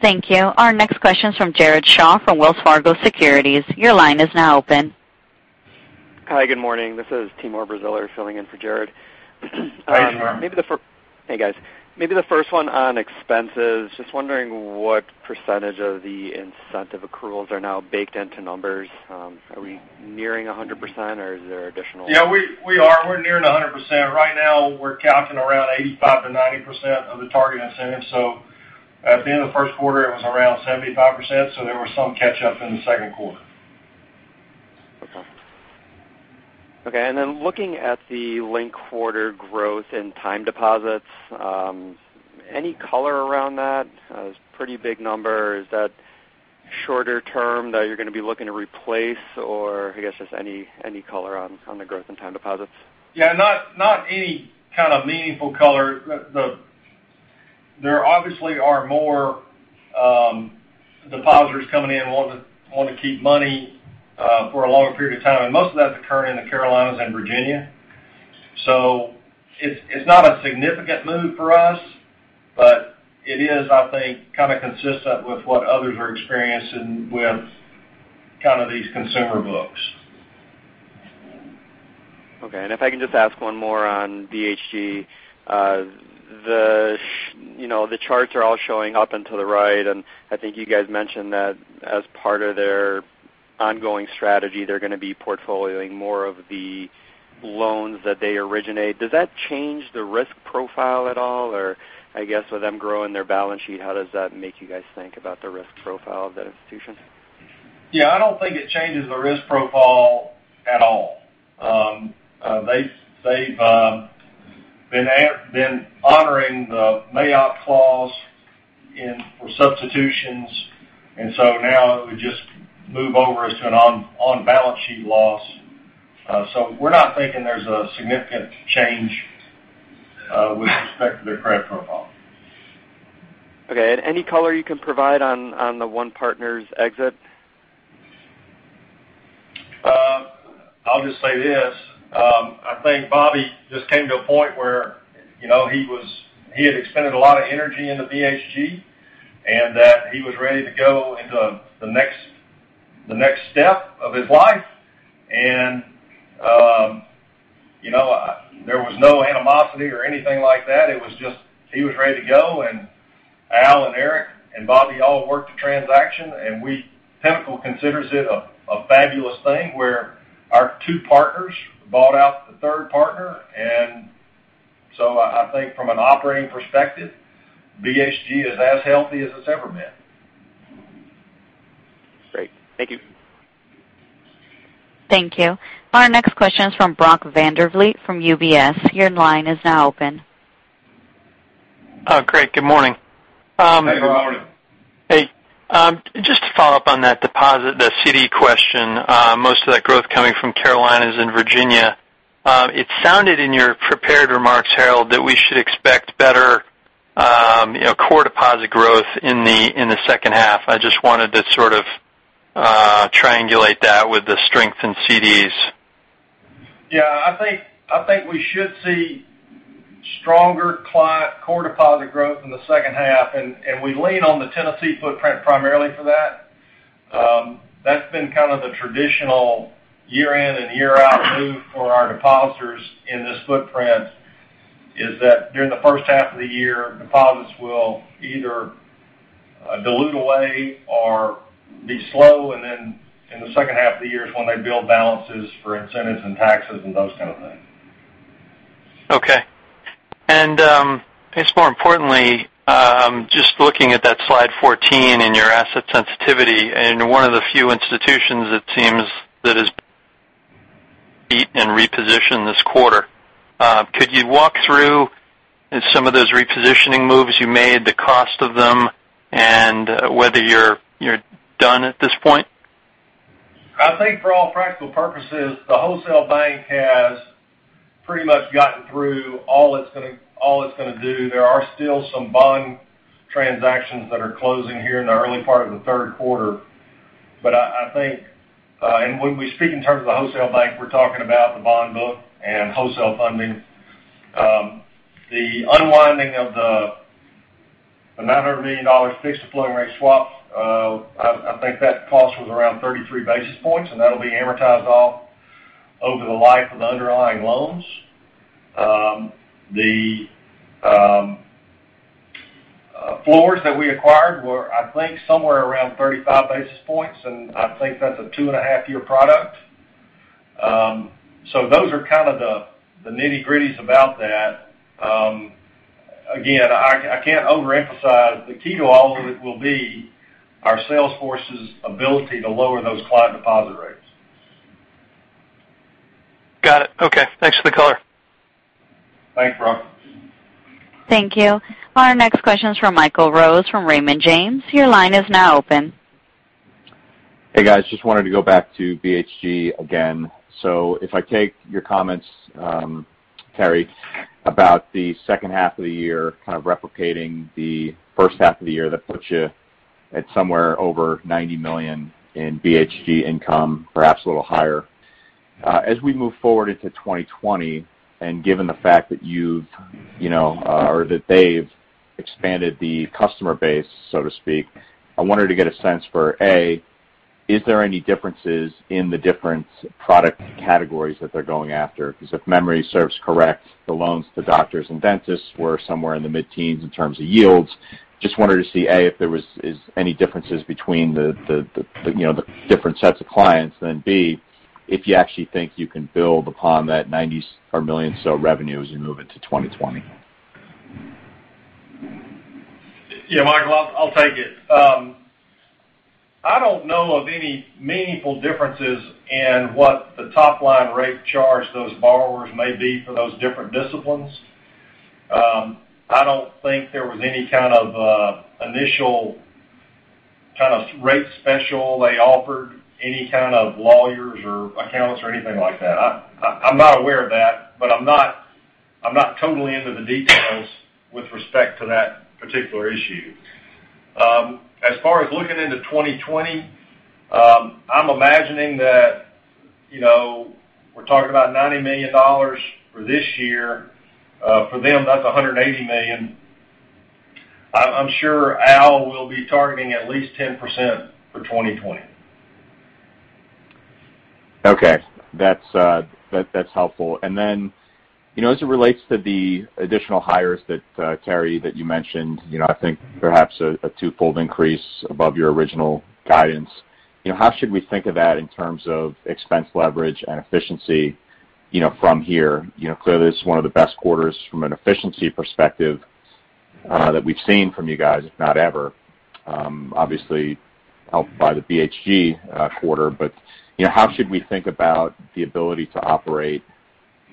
Thank you. Our next question is from Jared Shaw from Wells Fargo Securities. Your line is now open. Hi, good morning. This is Timur Braziler filling in for Jared. Hi, Timur. Hey, guys. Maybe the first one on expenses, just wondering what percentage of the incentive accruals are now baked into numbers. Are we nearing 100%? Yeah, we are. We're nearing 100%. Right now, we're counting around 85%-90% of the target incentive. At the end of the first quarter, it was around 75%, there was some catch up in the second quarter. Okay. Looking at the linked quarter growth in time deposits, any color around that? It's a pretty big number. Is that shorter term that you're going to be looking to replace or, I guess, just any color on the growth in time deposits? Yeah, not any kind of meaningful color. There obviously are more depositors coming in wanting to keep money for a longer period of time, and most of that's occurring in the Carolinas and Virginia. It's not a significant move for us, but it is consistent with what others are experiencing with these consumer books. Okay, if I can just ask one more on BHG. The charts are all showing up and to the right, and I think you guys mentioned that as part of their ongoing strategy, they're going to be portfolioing more of the loans that they originate. Does that change the risk profile at all? I guess, with them growing their balance sheet, how does that make you guys think about the risk profile of that institution? I don't think it changes the risk profile at all. They've been honoring the may opt clause for substitutions, now it would just move over as to an on-balance-sheet loss. We're not thinking there's a significant change with respect to their credit profile. Any color you can provide on the one partner's exit? I'll just say this. I think Bobby just came to a point where he had expended a lot of energy into BHG, that he was ready to go into the next step of his life, there was no animosity or anything like that. It was just, he was ready to go, Al and Eric and Bobby all worked the transaction, Pinnacle considers it a fabulous thing where our two partners bought out the third partner. I think from an operating perspective, BHG is as healthy as it's ever been. Great. Thank you. Thank you. Our next question is from Brock Vandervliet from UBS. Your line is now open. Great. Good morning. Hey, Brock. Hey. Just to follow up on that deposit, the CD question, most of that growth coming from Carolinas and Virginia. It sounded in your prepared remarks, Harold, that we should expect better core deposit growth in the second half. I just wanted to sort of triangulate that with the strength in CDs. Yeah, I think we should see stronger client core deposit growth in the second half. We lean on the Tennessee footprint primarily for that. That's been kind of the traditional year-in and year-out move for our depositors in this footprint is that during the first half of the year, deposits will either dilute away or be slow, then in the second half of the year is when they build balances for incentives and taxes and those kind of things. Okay. I guess more importantly, just looking at that slide 14 in your asset sensitivity, one of the few institutions it seems that has beat and repositioned this quarter. Could you walk through some of those repositioning moves you made, the cost of them, and whether you're done at this point? I think for all practical purposes, the wholesale bank has pretty much gotten through all it's going to do. There are still some bond transactions that are closing here in the early part of the third quarter. I think when we speak in terms of the wholesale bank, we're talking about the bond book and wholesale funding. The unwinding of the $900 million fixed floating rate swap, I think that cost was around 33 basis points. That'll be amortized off over the life of the underlying loans. The floors that we acquired were, I think, somewhere around 35 basis points. I think that's a 2.5 year product. Those are kind of the nitty-gritties about that. Again, I can't overemphasize, the key to all of it will be our sales force's ability to lower those client deposit rates. Got it. Okay. Thanks for the color. Thanks, Brock. Thank you. Our next question is from Michael Rose from Raymond James. Your line is now open. Hey, guys. Just wanted to go back to BHG again. If I take your comments, Terry, about the second half of the year kind of replicating the first half of the year, that puts you at somewhere over $90 million in BHG income, perhaps a little higher. As we move forward to 2020 and given the fact that they've expanded the customer base, so to speak, I wanted to get a sense for, A, is there any differences in the different product categories that they're going after? Because if memory serves correct, the loans to doctors and dentists were somewhere in the mid-teens in terms of yields. Just wanted to see, A, if there was any differences between the different sets of clients. B, if you actually think you can build upon that $90 million or so revenue as you move into 2020. Yeah, Michael, I'll take it. I don't know of any meaningful differences in what the top-line rate charge those borrowers may be for those different disciplines. I don't think there was any kind of initial rate special they offered any kind of lawyers or accountants or anything like that. I'm not aware of that, but I'm not totally into the details with respect to that particular issue. As far as looking into 2020, I'm imagining that we're talking about $90 million for this year. For them, that's $180 million. I'm sure Al will be targeting at least 10% for 2020. Okay. That's helpful. As it relates to the additional hires, Terry, that you mentioned, I think perhaps a twofold increase above your original guidance. How should we think of that in terms of expense leverage and efficiency from here? Clearly, this is one of the best quarters from an efficiency perspective that we've seen from you guys, if not ever. Obviously, helped by the BHG quarter. How should we think about the ability to operate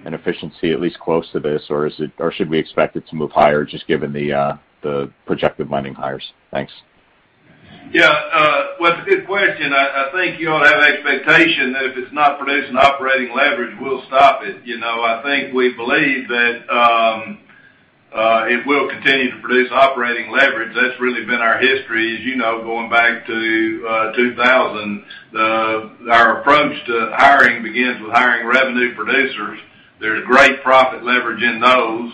an efficiency at least close to this? Or should we expect it to move higher just given the projected lending hires? Thanks. Yeah. Well, it's a good question. I think you all have expectation that if it's not producing operating leverage, we'll stop it. I think we believe that it will continue to produce operating leverage. That's really been our history, as you know, going back to 2000. Our approach to hiring begins with hiring revenue producers. There's great profit leverage in those.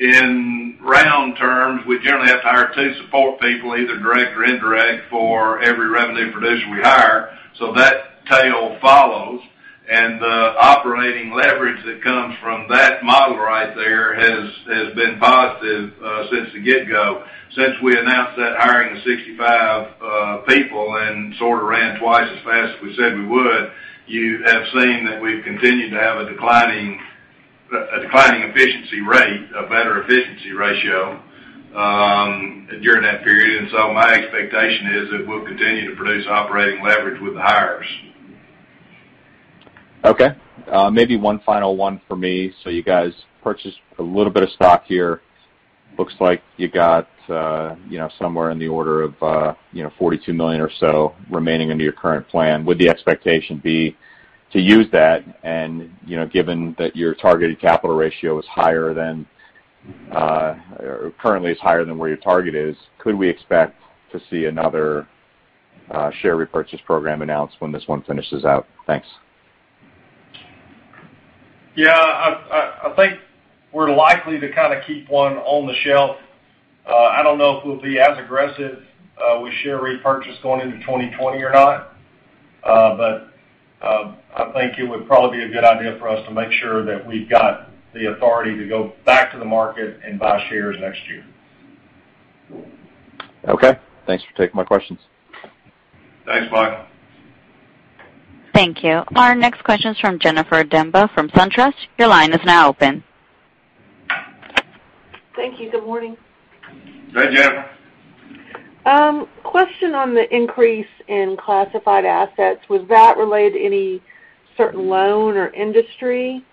In round terms, we generally have to hire two support people, either direct or indirect, for every revenue producer we hire. That tail follows, and the operating leverage that comes from that model right there has been positive since the get-go. Since we announced that hiring of 65 people and sort of ran twice as fast as we said we would, you have seen that we've continued to have a declining efficiency rate, a better efficiency ratio, during that period. My expectation is that we'll continue to produce operating leverage with the hires. Okay. Maybe one final one for me. You guys purchased a little bit of stock here. Looks like you got somewhere in the order of $42 million or so remaining under your current plan. Would the expectation be to use that, and given that your targeted capital ratio currently is higher than where your target is, could we expect to see another share repurchase program announced when this one finishes out? Thanks. Yeah. I think we're likely to kind of keep one on the shelf. I don't know if we'll be as aggressive with share repurchase going into 2020 or not. I think it would probably be a good idea for us to make sure that we've got the authority to go back to the market and buy shares next year. Okay. Thanks for taking my questions. Thanks, Michael. Thank you. Our next question is from Jennifer Demba from SunTrust. Your line is now open. Thank you. Good morning. Hey, Jen. Question on the increase in classified assets. Was that related to any certain loan or industry?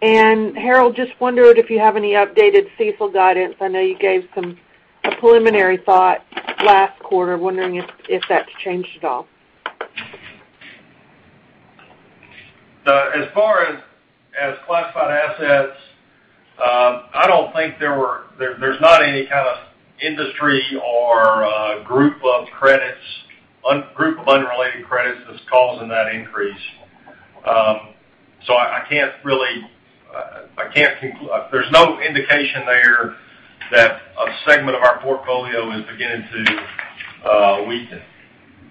Harold, just wondered if you have any updated CECL guidance. I know you gave a preliminary thought last quarter. Wondering if that's changed at all. As far as classified assets, there's not any kind of industry or group of unrelated credits that's causing that increase. There's no indication there that a segment of our portfolio is beginning to weaken.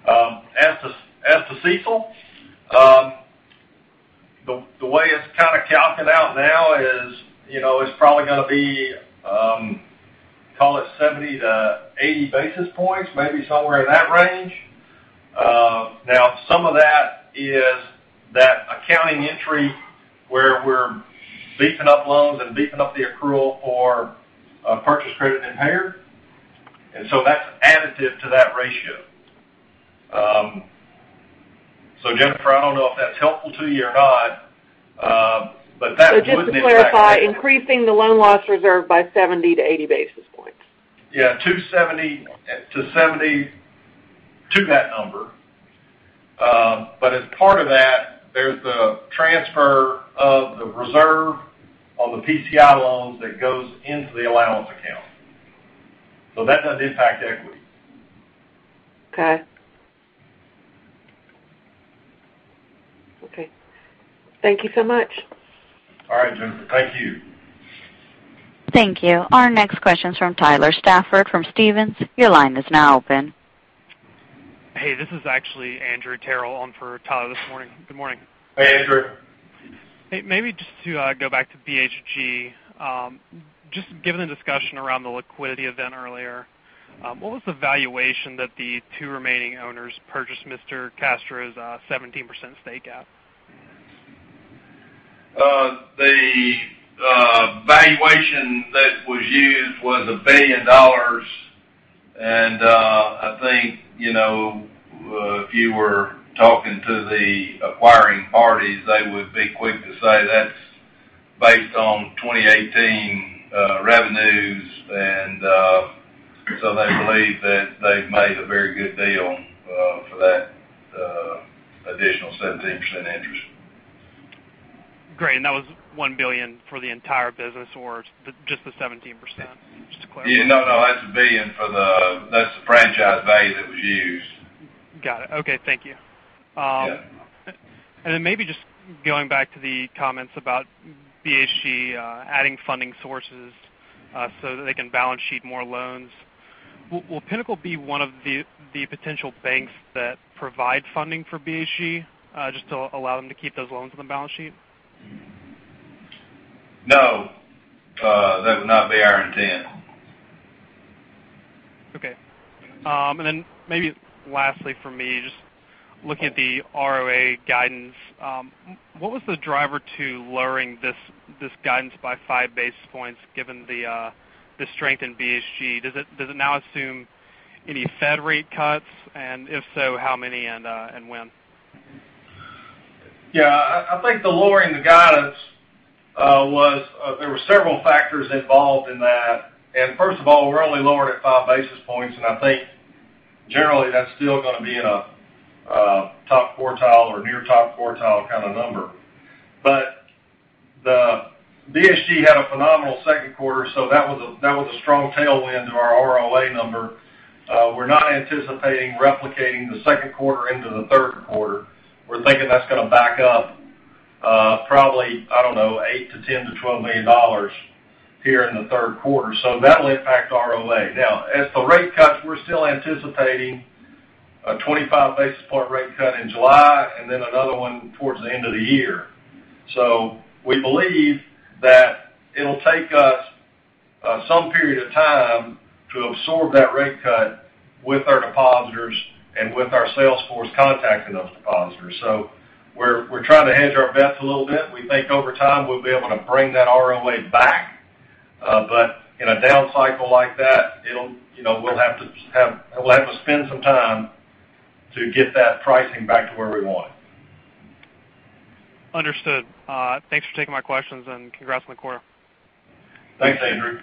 As to CECL, the way it's kind of calculated out now is, it's probably going to be, call it 70-80 basis points, maybe somewhere in that range. Now, some of that is that accounting entry where we're beefing up loans and beefing up the accrual for purchase credit impaired, that's additive to that ratio. Jennifer, I don't know if that's helpful to you or not, but that wouldn't. Just to clarify, increasing the loan loss reserve by 70-80 basis points. To 70, to that number. As part of that, there's the transfer of the reserve on the PCI loans that goes into the allowance account. That doesn't impact equity. Thank you so much. Jennifer. Thank you. Thank you. Our next question's from Tyler Stafford from Stephens. Your line is now open. Hey, this is actually Andrew Carroll on for Tyler this morning. Good morning. Hey, Andrew. Hey, maybe just to go back to BHG, just given the discussion around the liquidity event earlier, what was the valuation that the two remaining owners purchased Mr. Castro's 17% stake at? The valuation that was used was $1 billion, I think, if you were talking to the acquiring parties, they would be quick to say that's based on 2018 revenues. They believe that they've made a very good deal for that additional 17% interest. Great, that was $1 billion for the entire business or just the 17%? Just to clarify. Yeah, no, that's $1 billion, that's the franchise value that was used. Got it. Okay. Thank you. Yeah. Maybe just going back to the comments about BHG adding funding sources so that they can balance sheet more loans. Will Pinnacle be one of the potential banks that provide funding for BHG, just to allow them to keep those loans on the balance sheet? No, that would not be our intent. Okay. Maybe lastly for me, just looking at the ROA guidance, what was the driver to lowering this guidance by 5 basis points given the strength in BHG? Does it now assume any Fed rate cuts? If so, how many and when? Yeah, I think the lowering the guidance was there were several factors involved in that. First of all, we're only lowered at five basis points, I think generally that's still going to be in a top quartile or near top quartile kind of number. BHG had a phenomenal second quarter, so that was a strong tailwind to our ROA number. We're not anticipating replicating the second quarter into the third quarter. We're thinking that's going to back up probably, I don't know, $8 million-$10 million to $12 million here in the third quarter, so that'll impact ROA. As for rate cuts, we're still anticipating a 25 basis point rate cut in July another one towards the end of the year. We believe that it'll take us some period of time to absorb that rate cut with our depositors and with our sales force contacting those depositors. We're trying to hedge our bets a little bit. We think over time, we'll be able to bring that ROA back. In a down cycle like that, we'll have to spend some time to get that pricing back to where we want it. Understood. Thanks for taking my questions, congrats on the quarter. Thanks, Andrew.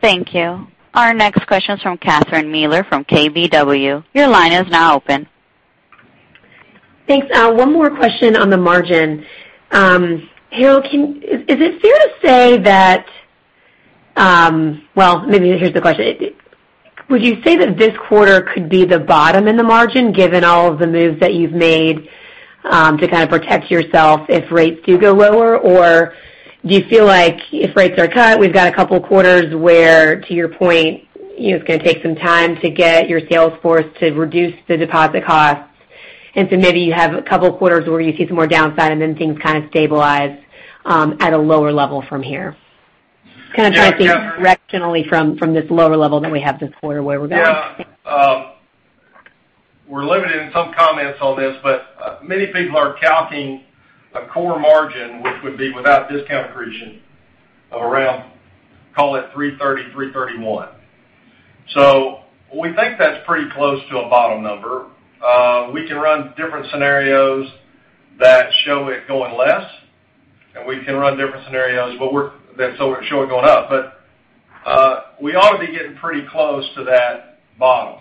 Thank you. Our next question is from Catherine Mealor from KBW. Your line is now open. Thanks. One more question on the margin. Harold, is it fair to say that maybe here's the question: Would you say that this quarter could be the bottom in the margin, given all of the moves that you've made, to kind of protect yourself if rates do go lower? Or do you feel like if rates are cut, we've got a couple of quarters where, to your point, it's going to take some time to get your sales force to reduce the deposit costs, maybe you have a couple of quarters where you see some more downside and then things kind of stabilize at a lower level from here? Kind of trying to think directionally from this lower level that we have this quarter, where we're going. Yeah. We're limited in some comments on this, but many people are calculating a core margin, which would be without discount accretion, of around, call it 330, 331. We think that's pretty close to a bottom number. We can run different scenarios that show it going less, and we can run different scenarios, that show it going up. We ought to be getting pretty close to that bottom.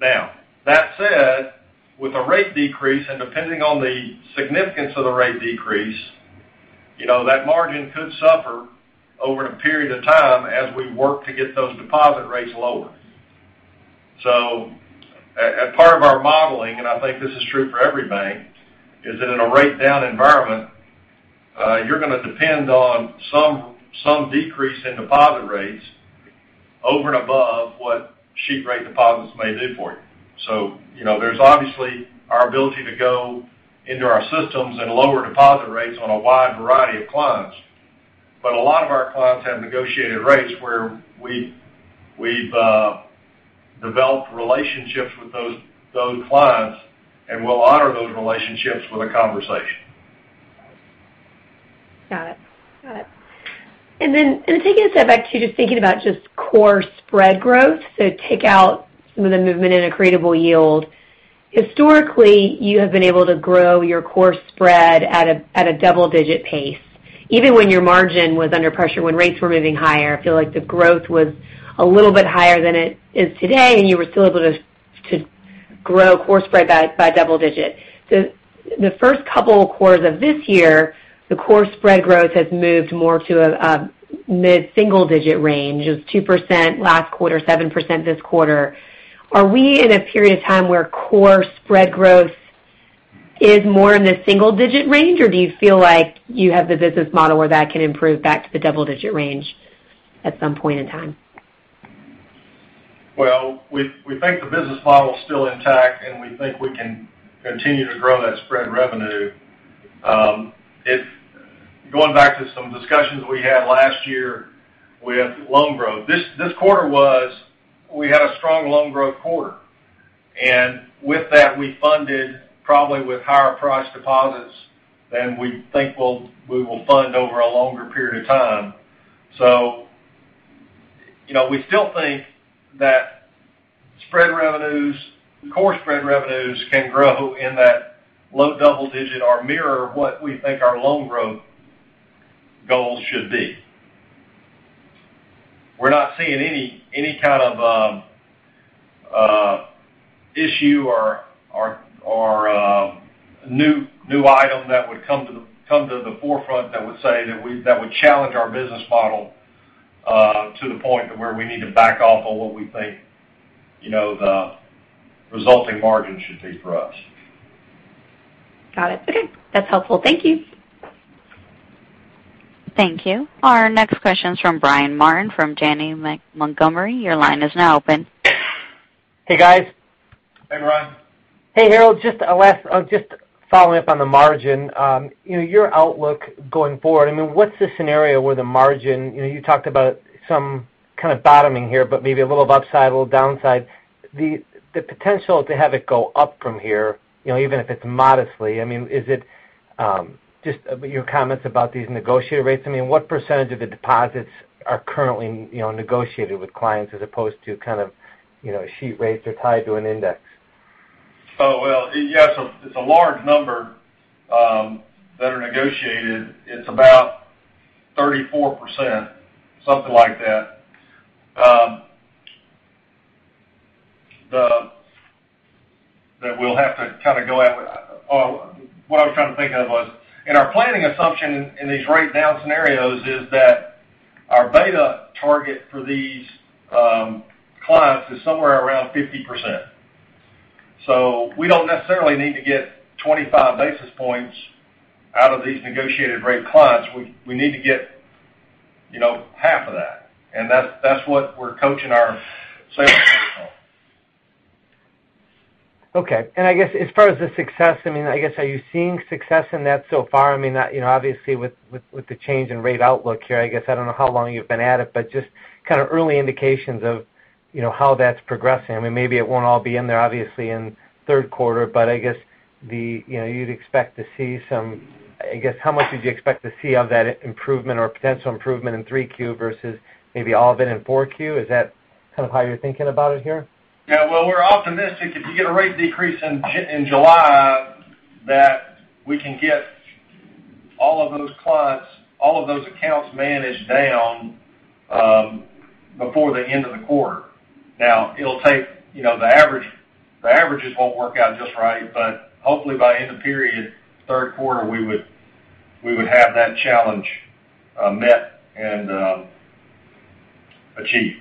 Now, that said, with a rate decrease, and depending on the significance of the rate decrease. That margin could suffer over a period of time as we work to get those deposit rates lower. As part of our modeling, and I think this is true for every bank, is that in a rate down environment, you're going to depend on some decrease in deposit rates over and above what sheet rate deposits may do for you. There's obviously our ability to go into our systems and lower deposit rates on a wide variety of clients. A lot of our clients have negotiated rates where we've developed relationships with those clients, and we'll honor those relationships with a conversation. Got it. Taking a step back to just thinking about just core spread growth, so take out some of the movement in accretable yield. Historically, you have been able to grow your core spread at a double-digit pace, even when your margin was under pressure when rates were moving higher. I feel like the growth was a little bit higher than it is today, and you were still able to grow core spread by double digit. The first couple of quarters of this year, the core spread growth has moved more to a mid-single digit range. It was 2% last quarter, 7% this quarter. Are we in a period of time where core spread growth is more in the single-digit range, or do you feel like you have the business model where that can improve back to the double-digit range at some point in time? Well, we think the business model's still intact. We think we can continue to grow that spread revenue. Going back to some discussions we had last year with loan growth. This quarter, we had a strong loan growth quarter. With that, we funded probably with higher price deposits than we think we will fund over a longer period of time. We still think that spread revenues, core spread revenues, can grow in that low double digit or mirror what we think our loan growth goals should be. We're not seeing any kind of issue or new item that would come to the forefront that would challenge our business model to the point to where we need to back off on what we think the resulting margin should be for us. Got it. Okay. That's helpful. Thank you. Thank you. Our next question's from Brian Martin from Janney Montgomery. Your line is now open. Hey, guys. Hey, Brian. Hey, Harold, just following up on the margin. Your outlook going forward, what's the scenario where you talked about some kind of bottoming here, but maybe a little of upside, a little downside. The potential to have it go up from here, even if it's modestly, just your comments about these negotiated rates. What percentage of the deposits are currently negotiated with clients as opposed to sheet rates are tied to an index? Oh, well, yes, it's a large number that are negotiated. It's about 34%, something like that. What I was trying to think of was, in our planning assumption in these rate down scenarios is that our beta target for these clients is somewhere around 50%. We don't necessarily need to get 25 basis points out of these negotiated rate clients. We need to get half of that. That's what we're coaching our sales team on. Okay. I guess as far as the success, are you seeing success in that so far? Obviously, with the change in rate outlook here, I guess I don't know how long you've been at it, but just kind of early indications of how that's progressing. Maybe it won't all be in there, obviously, in third quarter, but I guess how much did you expect to see of that improvement or potential improvement in 3Q versus maybe all of it in 4Q? Is that kind of how you're thinking about it here? Well, we're optimistic if you get a rate decrease in July, that we can get all of those clients, all of those accounts managed down before the end of the quarter. Now, the averages won't work out just right, but hopefully by end of period, third quarter, we would have that challenge met and achieved.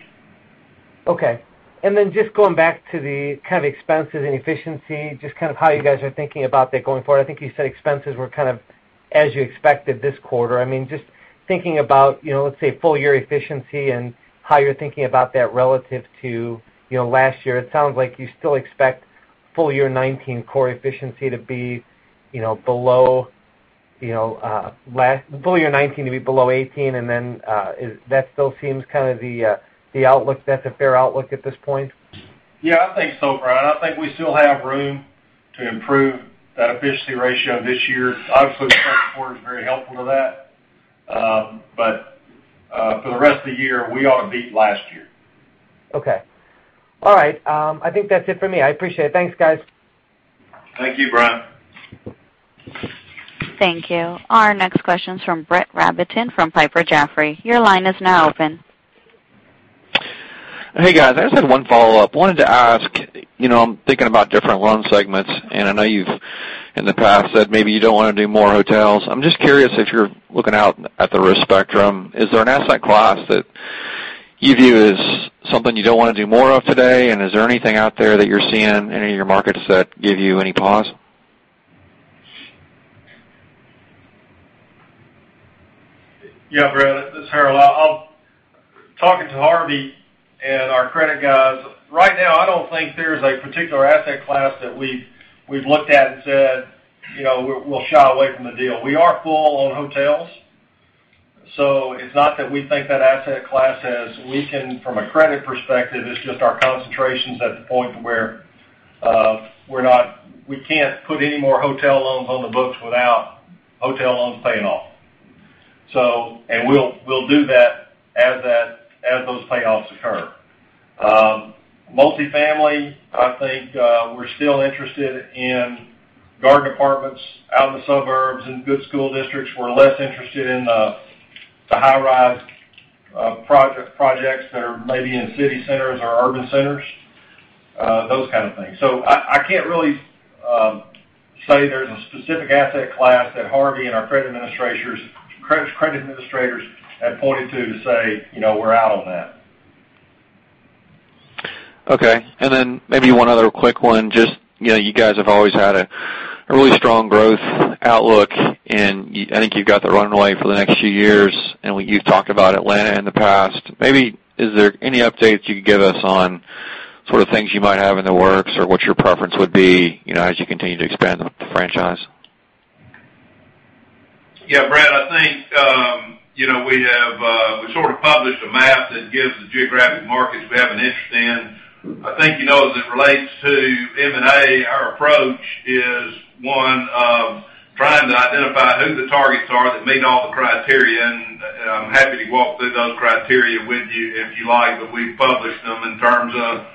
Just going back to the kind of expenses and efficiency, just kind of how you guys are thinking about that going forward. I think you said expenses were kind of as you expected this quarter. Just thinking about, let's say, full year efficiency and how you're thinking about that relative to last year. It sounds like you still expect full year 2019 core efficiency to be below full year 2019 to be below 2018, that still seems kind of the outlook. That's a fair outlook at this point? I think so, Brian. I think we still have room to improve that efficiency ratio this year. Obviously, the first quarter is very helpful to that. For the rest of the year, we ought to beat last year. I think that's it for me. I appreciate it. Thanks, guys. Thank you, Brian. Thank you. Our next question's from Brett Rabatin from Piper Jaffray. Your line is now open. Hey guys, I just had one follow-up. I wanted to ask, I'm thinking about different loan segments, and I know you've in the past said maybe you don't want to do more hotels. I'm just curious if you're looking out at the risk spectrum, is there an asset class that you view as something you don't want to do more of today? Is there anything out there that you're seeing in any of your markets that give you any pause? Yeah, Brett, this is Harold. Talking to Harvey and our credit guys, right now, I don't think there's a particular asset class that we've looked at and said, we'll shy away from the deal. We are full on hotels. It's not that we think that asset class has weakened from a credit perspective, it's just our concentration's at the point to where we can't put any more hotel loans on the books without hotel loans paying off. We'll do that as those payoffs occur. Multifamily, I think we're still interested in garden apartments out in the suburbs in good school districts. We're less interested in the high-rise projects that are maybe in city centers or urban centers, those kind of things. I can't really say there's a specific asset class that Harvey and our credit administrators have pointed to to say, we're out on that. Okay. Maybe one other quick one. Just, you guys have always had a really strong growth outlook, and I think you've got the runway for the next few years, and you've talked about Atlanta in the past. Maybe, is there any updates you could give us on sort of things you might have in the works, or what your preference would be, as you continue to expand the franchise? Brett, I think we sort of published a map that gives the geographic markets we have an interest in. I think, as it relates to M&A, our approach is one of trying to identify who the targets are that meet all the criteria, and I'm happy to walk through those criteria with you if you like. We've published them in terms of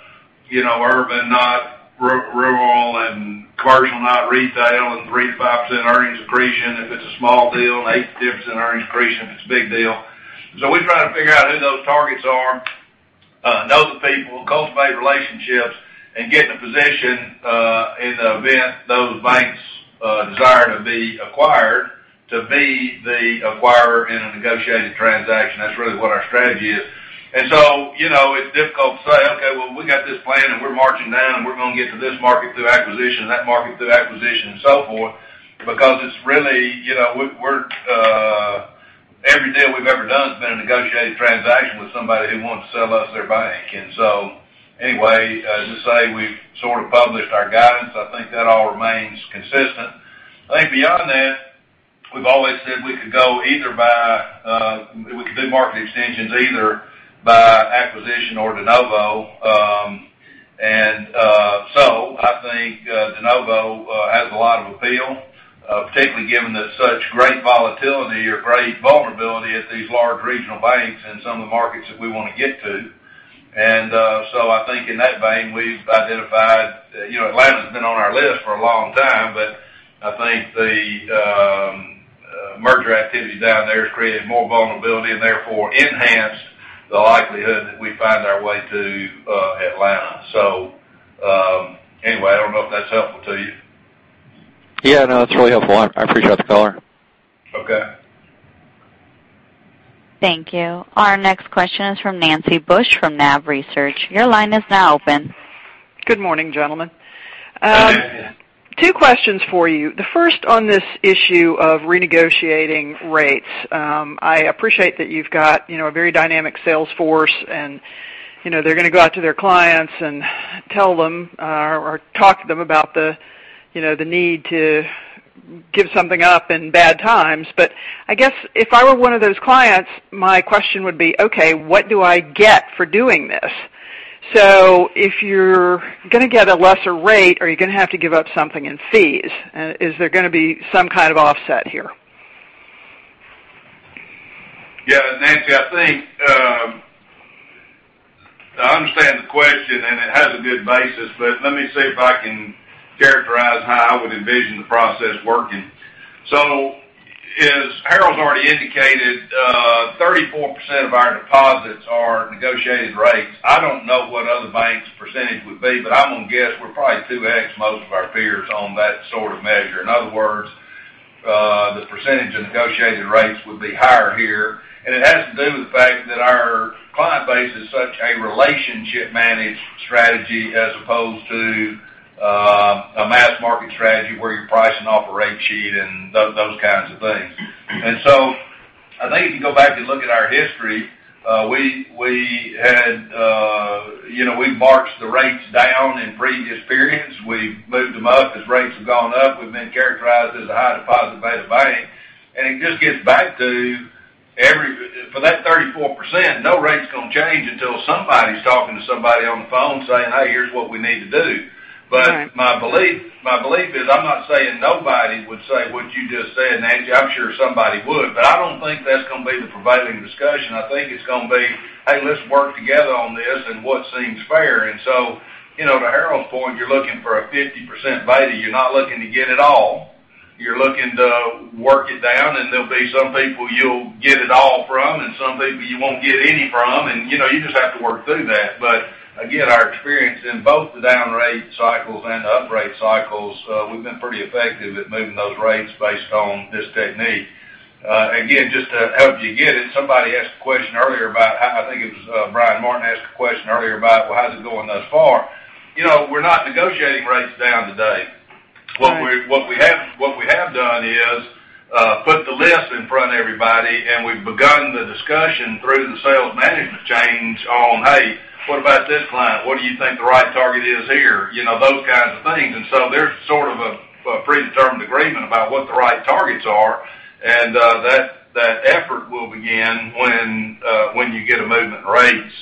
urban, not rural, and commercial, not retail, and 3%-5% earnings accretion if it's a small deal, and 8%-10% earnings accretion if it's a big deal. We try to figure out who those targets are, know the people, cultivate relationships, and get in a position in the event those banks desire to be acquired, to be the acquirer in a negotiated transaction. That's really what our strategy is. It's difficult to say, okay, well, we got this plan and we're marching down and we're going to get to this market through acquisition, that market through acquisition and so forth, because every deal we've ever done has been a negotiated transaction with somebody who wanted to sell us their bank. Anyway, as you say, we've sort of published our guidance. I think that all remains consistent. I think beyond that, we've always said we could do market extensions either by acquisition or de novo. I think de novo has a lot of appeal, particularly given that such great volatility or great vulnerability at these large regional banks in some of the markets that we want to get to. I think in that vein, Atlanta's been on our list for a long time, but I think the merger activity down there has created more vulnerability and therefore enhanced the likelihood that we find our way to Atlanta. Anyway, I don't know if that's helpful to you. Yeah, no, that's really helpful. I appreciate the color. Okay. Thank you. Our next question is from Nancy Bush from NAB Research. Your line is now open. Good morning, gentlemen. Good morning. Two questions for you. The first on this issue of renegotiating rates. I appreciate that you've got a very dynamic sales force and they're going to go out to their clients and tell them or talk to them about the need to give something up in bad times. I guess if I were one of those clients, my question would be, okay, what do I get for doing this? If you're going to get a lesser rate, are you going to have to give up something in fees? Is there going to be some kind of offset here? Yeah, Nancy, I understand the question, and it has a good basis, but let me see if I can characterize how I would envision the process working. As Harold's already indicated, 34% of our deposits are negotiated rates. I don't know what other banks' percentage would be, but I'm going to guess we're probably 2x most of our peers on that sort of measure. In other words, the percentage of negotiated rates would be higher here, and it has to do with the fact that our client base is such a relationship managed strategy as opposed to a mass market strategy where you're pricing off a rate sheet and those kinds of things. I think if you go back and look at our history, we've marched the rates down in previous periods. We've moved them up as rates have gone up. We've been characterized as a high deposit beta bank, and it just gets back to, for that 34%, no rate's going to change until somebody's talking to somebody on the phone saying, "Hey, here's what we need to do. Right. My belief is, I'm not saying nobody would say what you just said, Nancy. I'm sure somebody would, but I don't think that's going to be the prevailing discussion. I think it's going to be, "Hey, let's work together on this, and what seems fair?" To Harold's point, you're looking for a 50% beta. You're not looking to get it all. You're looking to work it down, and there'll be some people you'll get it all from, and some people you won't get any from. You just have to work through that. Again, our experience in both the down rate cycles and the up rate cycles, we've been pretty effective at moving those rates based on this technique. Just to help you get it, somebody asked a question earlier about how, I think it was Brian Martin asked a question earlier about, "Well, how's it going thus far?" We're not negotiating rates down today. What we have done is put the list in front of everybody, and we've begun the discussion through the sales management chains on, "Hey, what about this client? What do you think the right target is here?" Those kinds of things. There's sort of a predetermined agreement about what the right targets are, and that effort will begin when you get a movement in rates.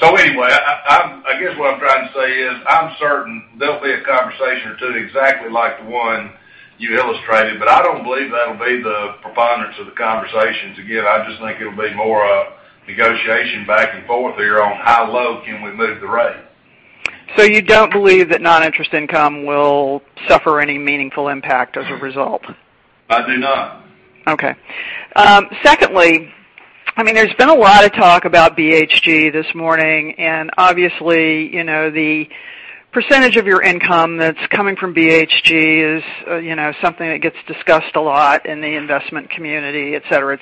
Anyway, I guess what I'm trying to say is, I'm certain there'll be a conversation or two exactly like the one you illustrated, but I don't believe that'll be the preponderance of the conversations. I just think it'll be more a negotiation back and forth here on how low can we move the rate. You don't believe that non-interest income will suffer any meaningful impact as a result? I do not. Okay. Secondly, there's been a lot of talk about BHG this morning. Obviously, the percentage of your income that's coming from BHG is something that gets discussed a lot in the investment community, et cetera.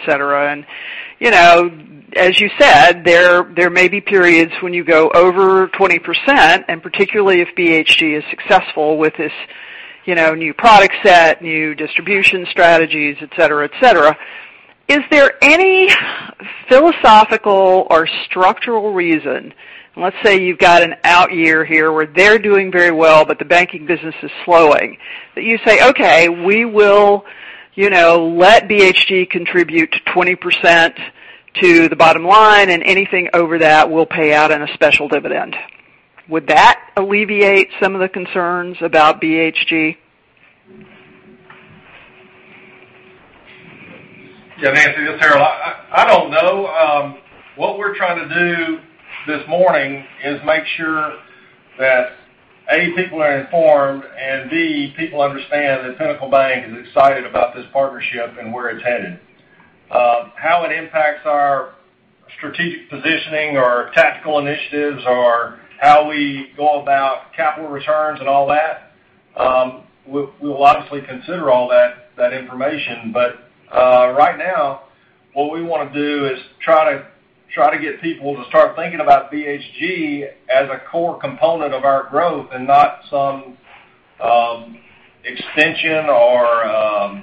As you said, there may be periods when you go over 20%, particularly if BHG is successful with this new product set, new distribution strategies, et cetera. Is there any philosophical or structural reason, let's say you've got an out year here where they're doing very well, but the banking business is slowing, that you say, "Okay, we will let BHG contribute to 20% to the bottom line, and anything over that we'll pay out in a special dividend." Would that alleviate some of the concerns about BHG? Yeah, Nancy, this is Harold. I don't know. What we're trying to do this morning is make sure that, A, people are informed, and B, people understand that Pinnacle Bank is excited about this partnership and where it's headed. How it impacts our strategic positioning or tactical initiatives or how we go about capital returns and all that, we'll obviously consider all that information. Right now, what we want to do is try to get people to start thinking about BHG as a core component of our growth and not some extension or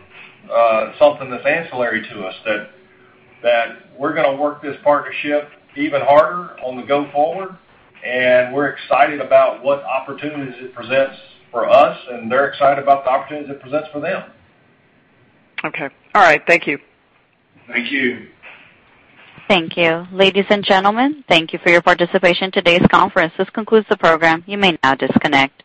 something that's ancillary to us. We're going to work this partnership even harder on the go forward. We're excited about what opportunities it presents for us. They're excited about the opportunities it presents for them. Okay. All right. Thank you. Thank you. Thank you. Ladies and gentlemen, thank you for your participation in today's conference. This concludes the program. You may now disconnect.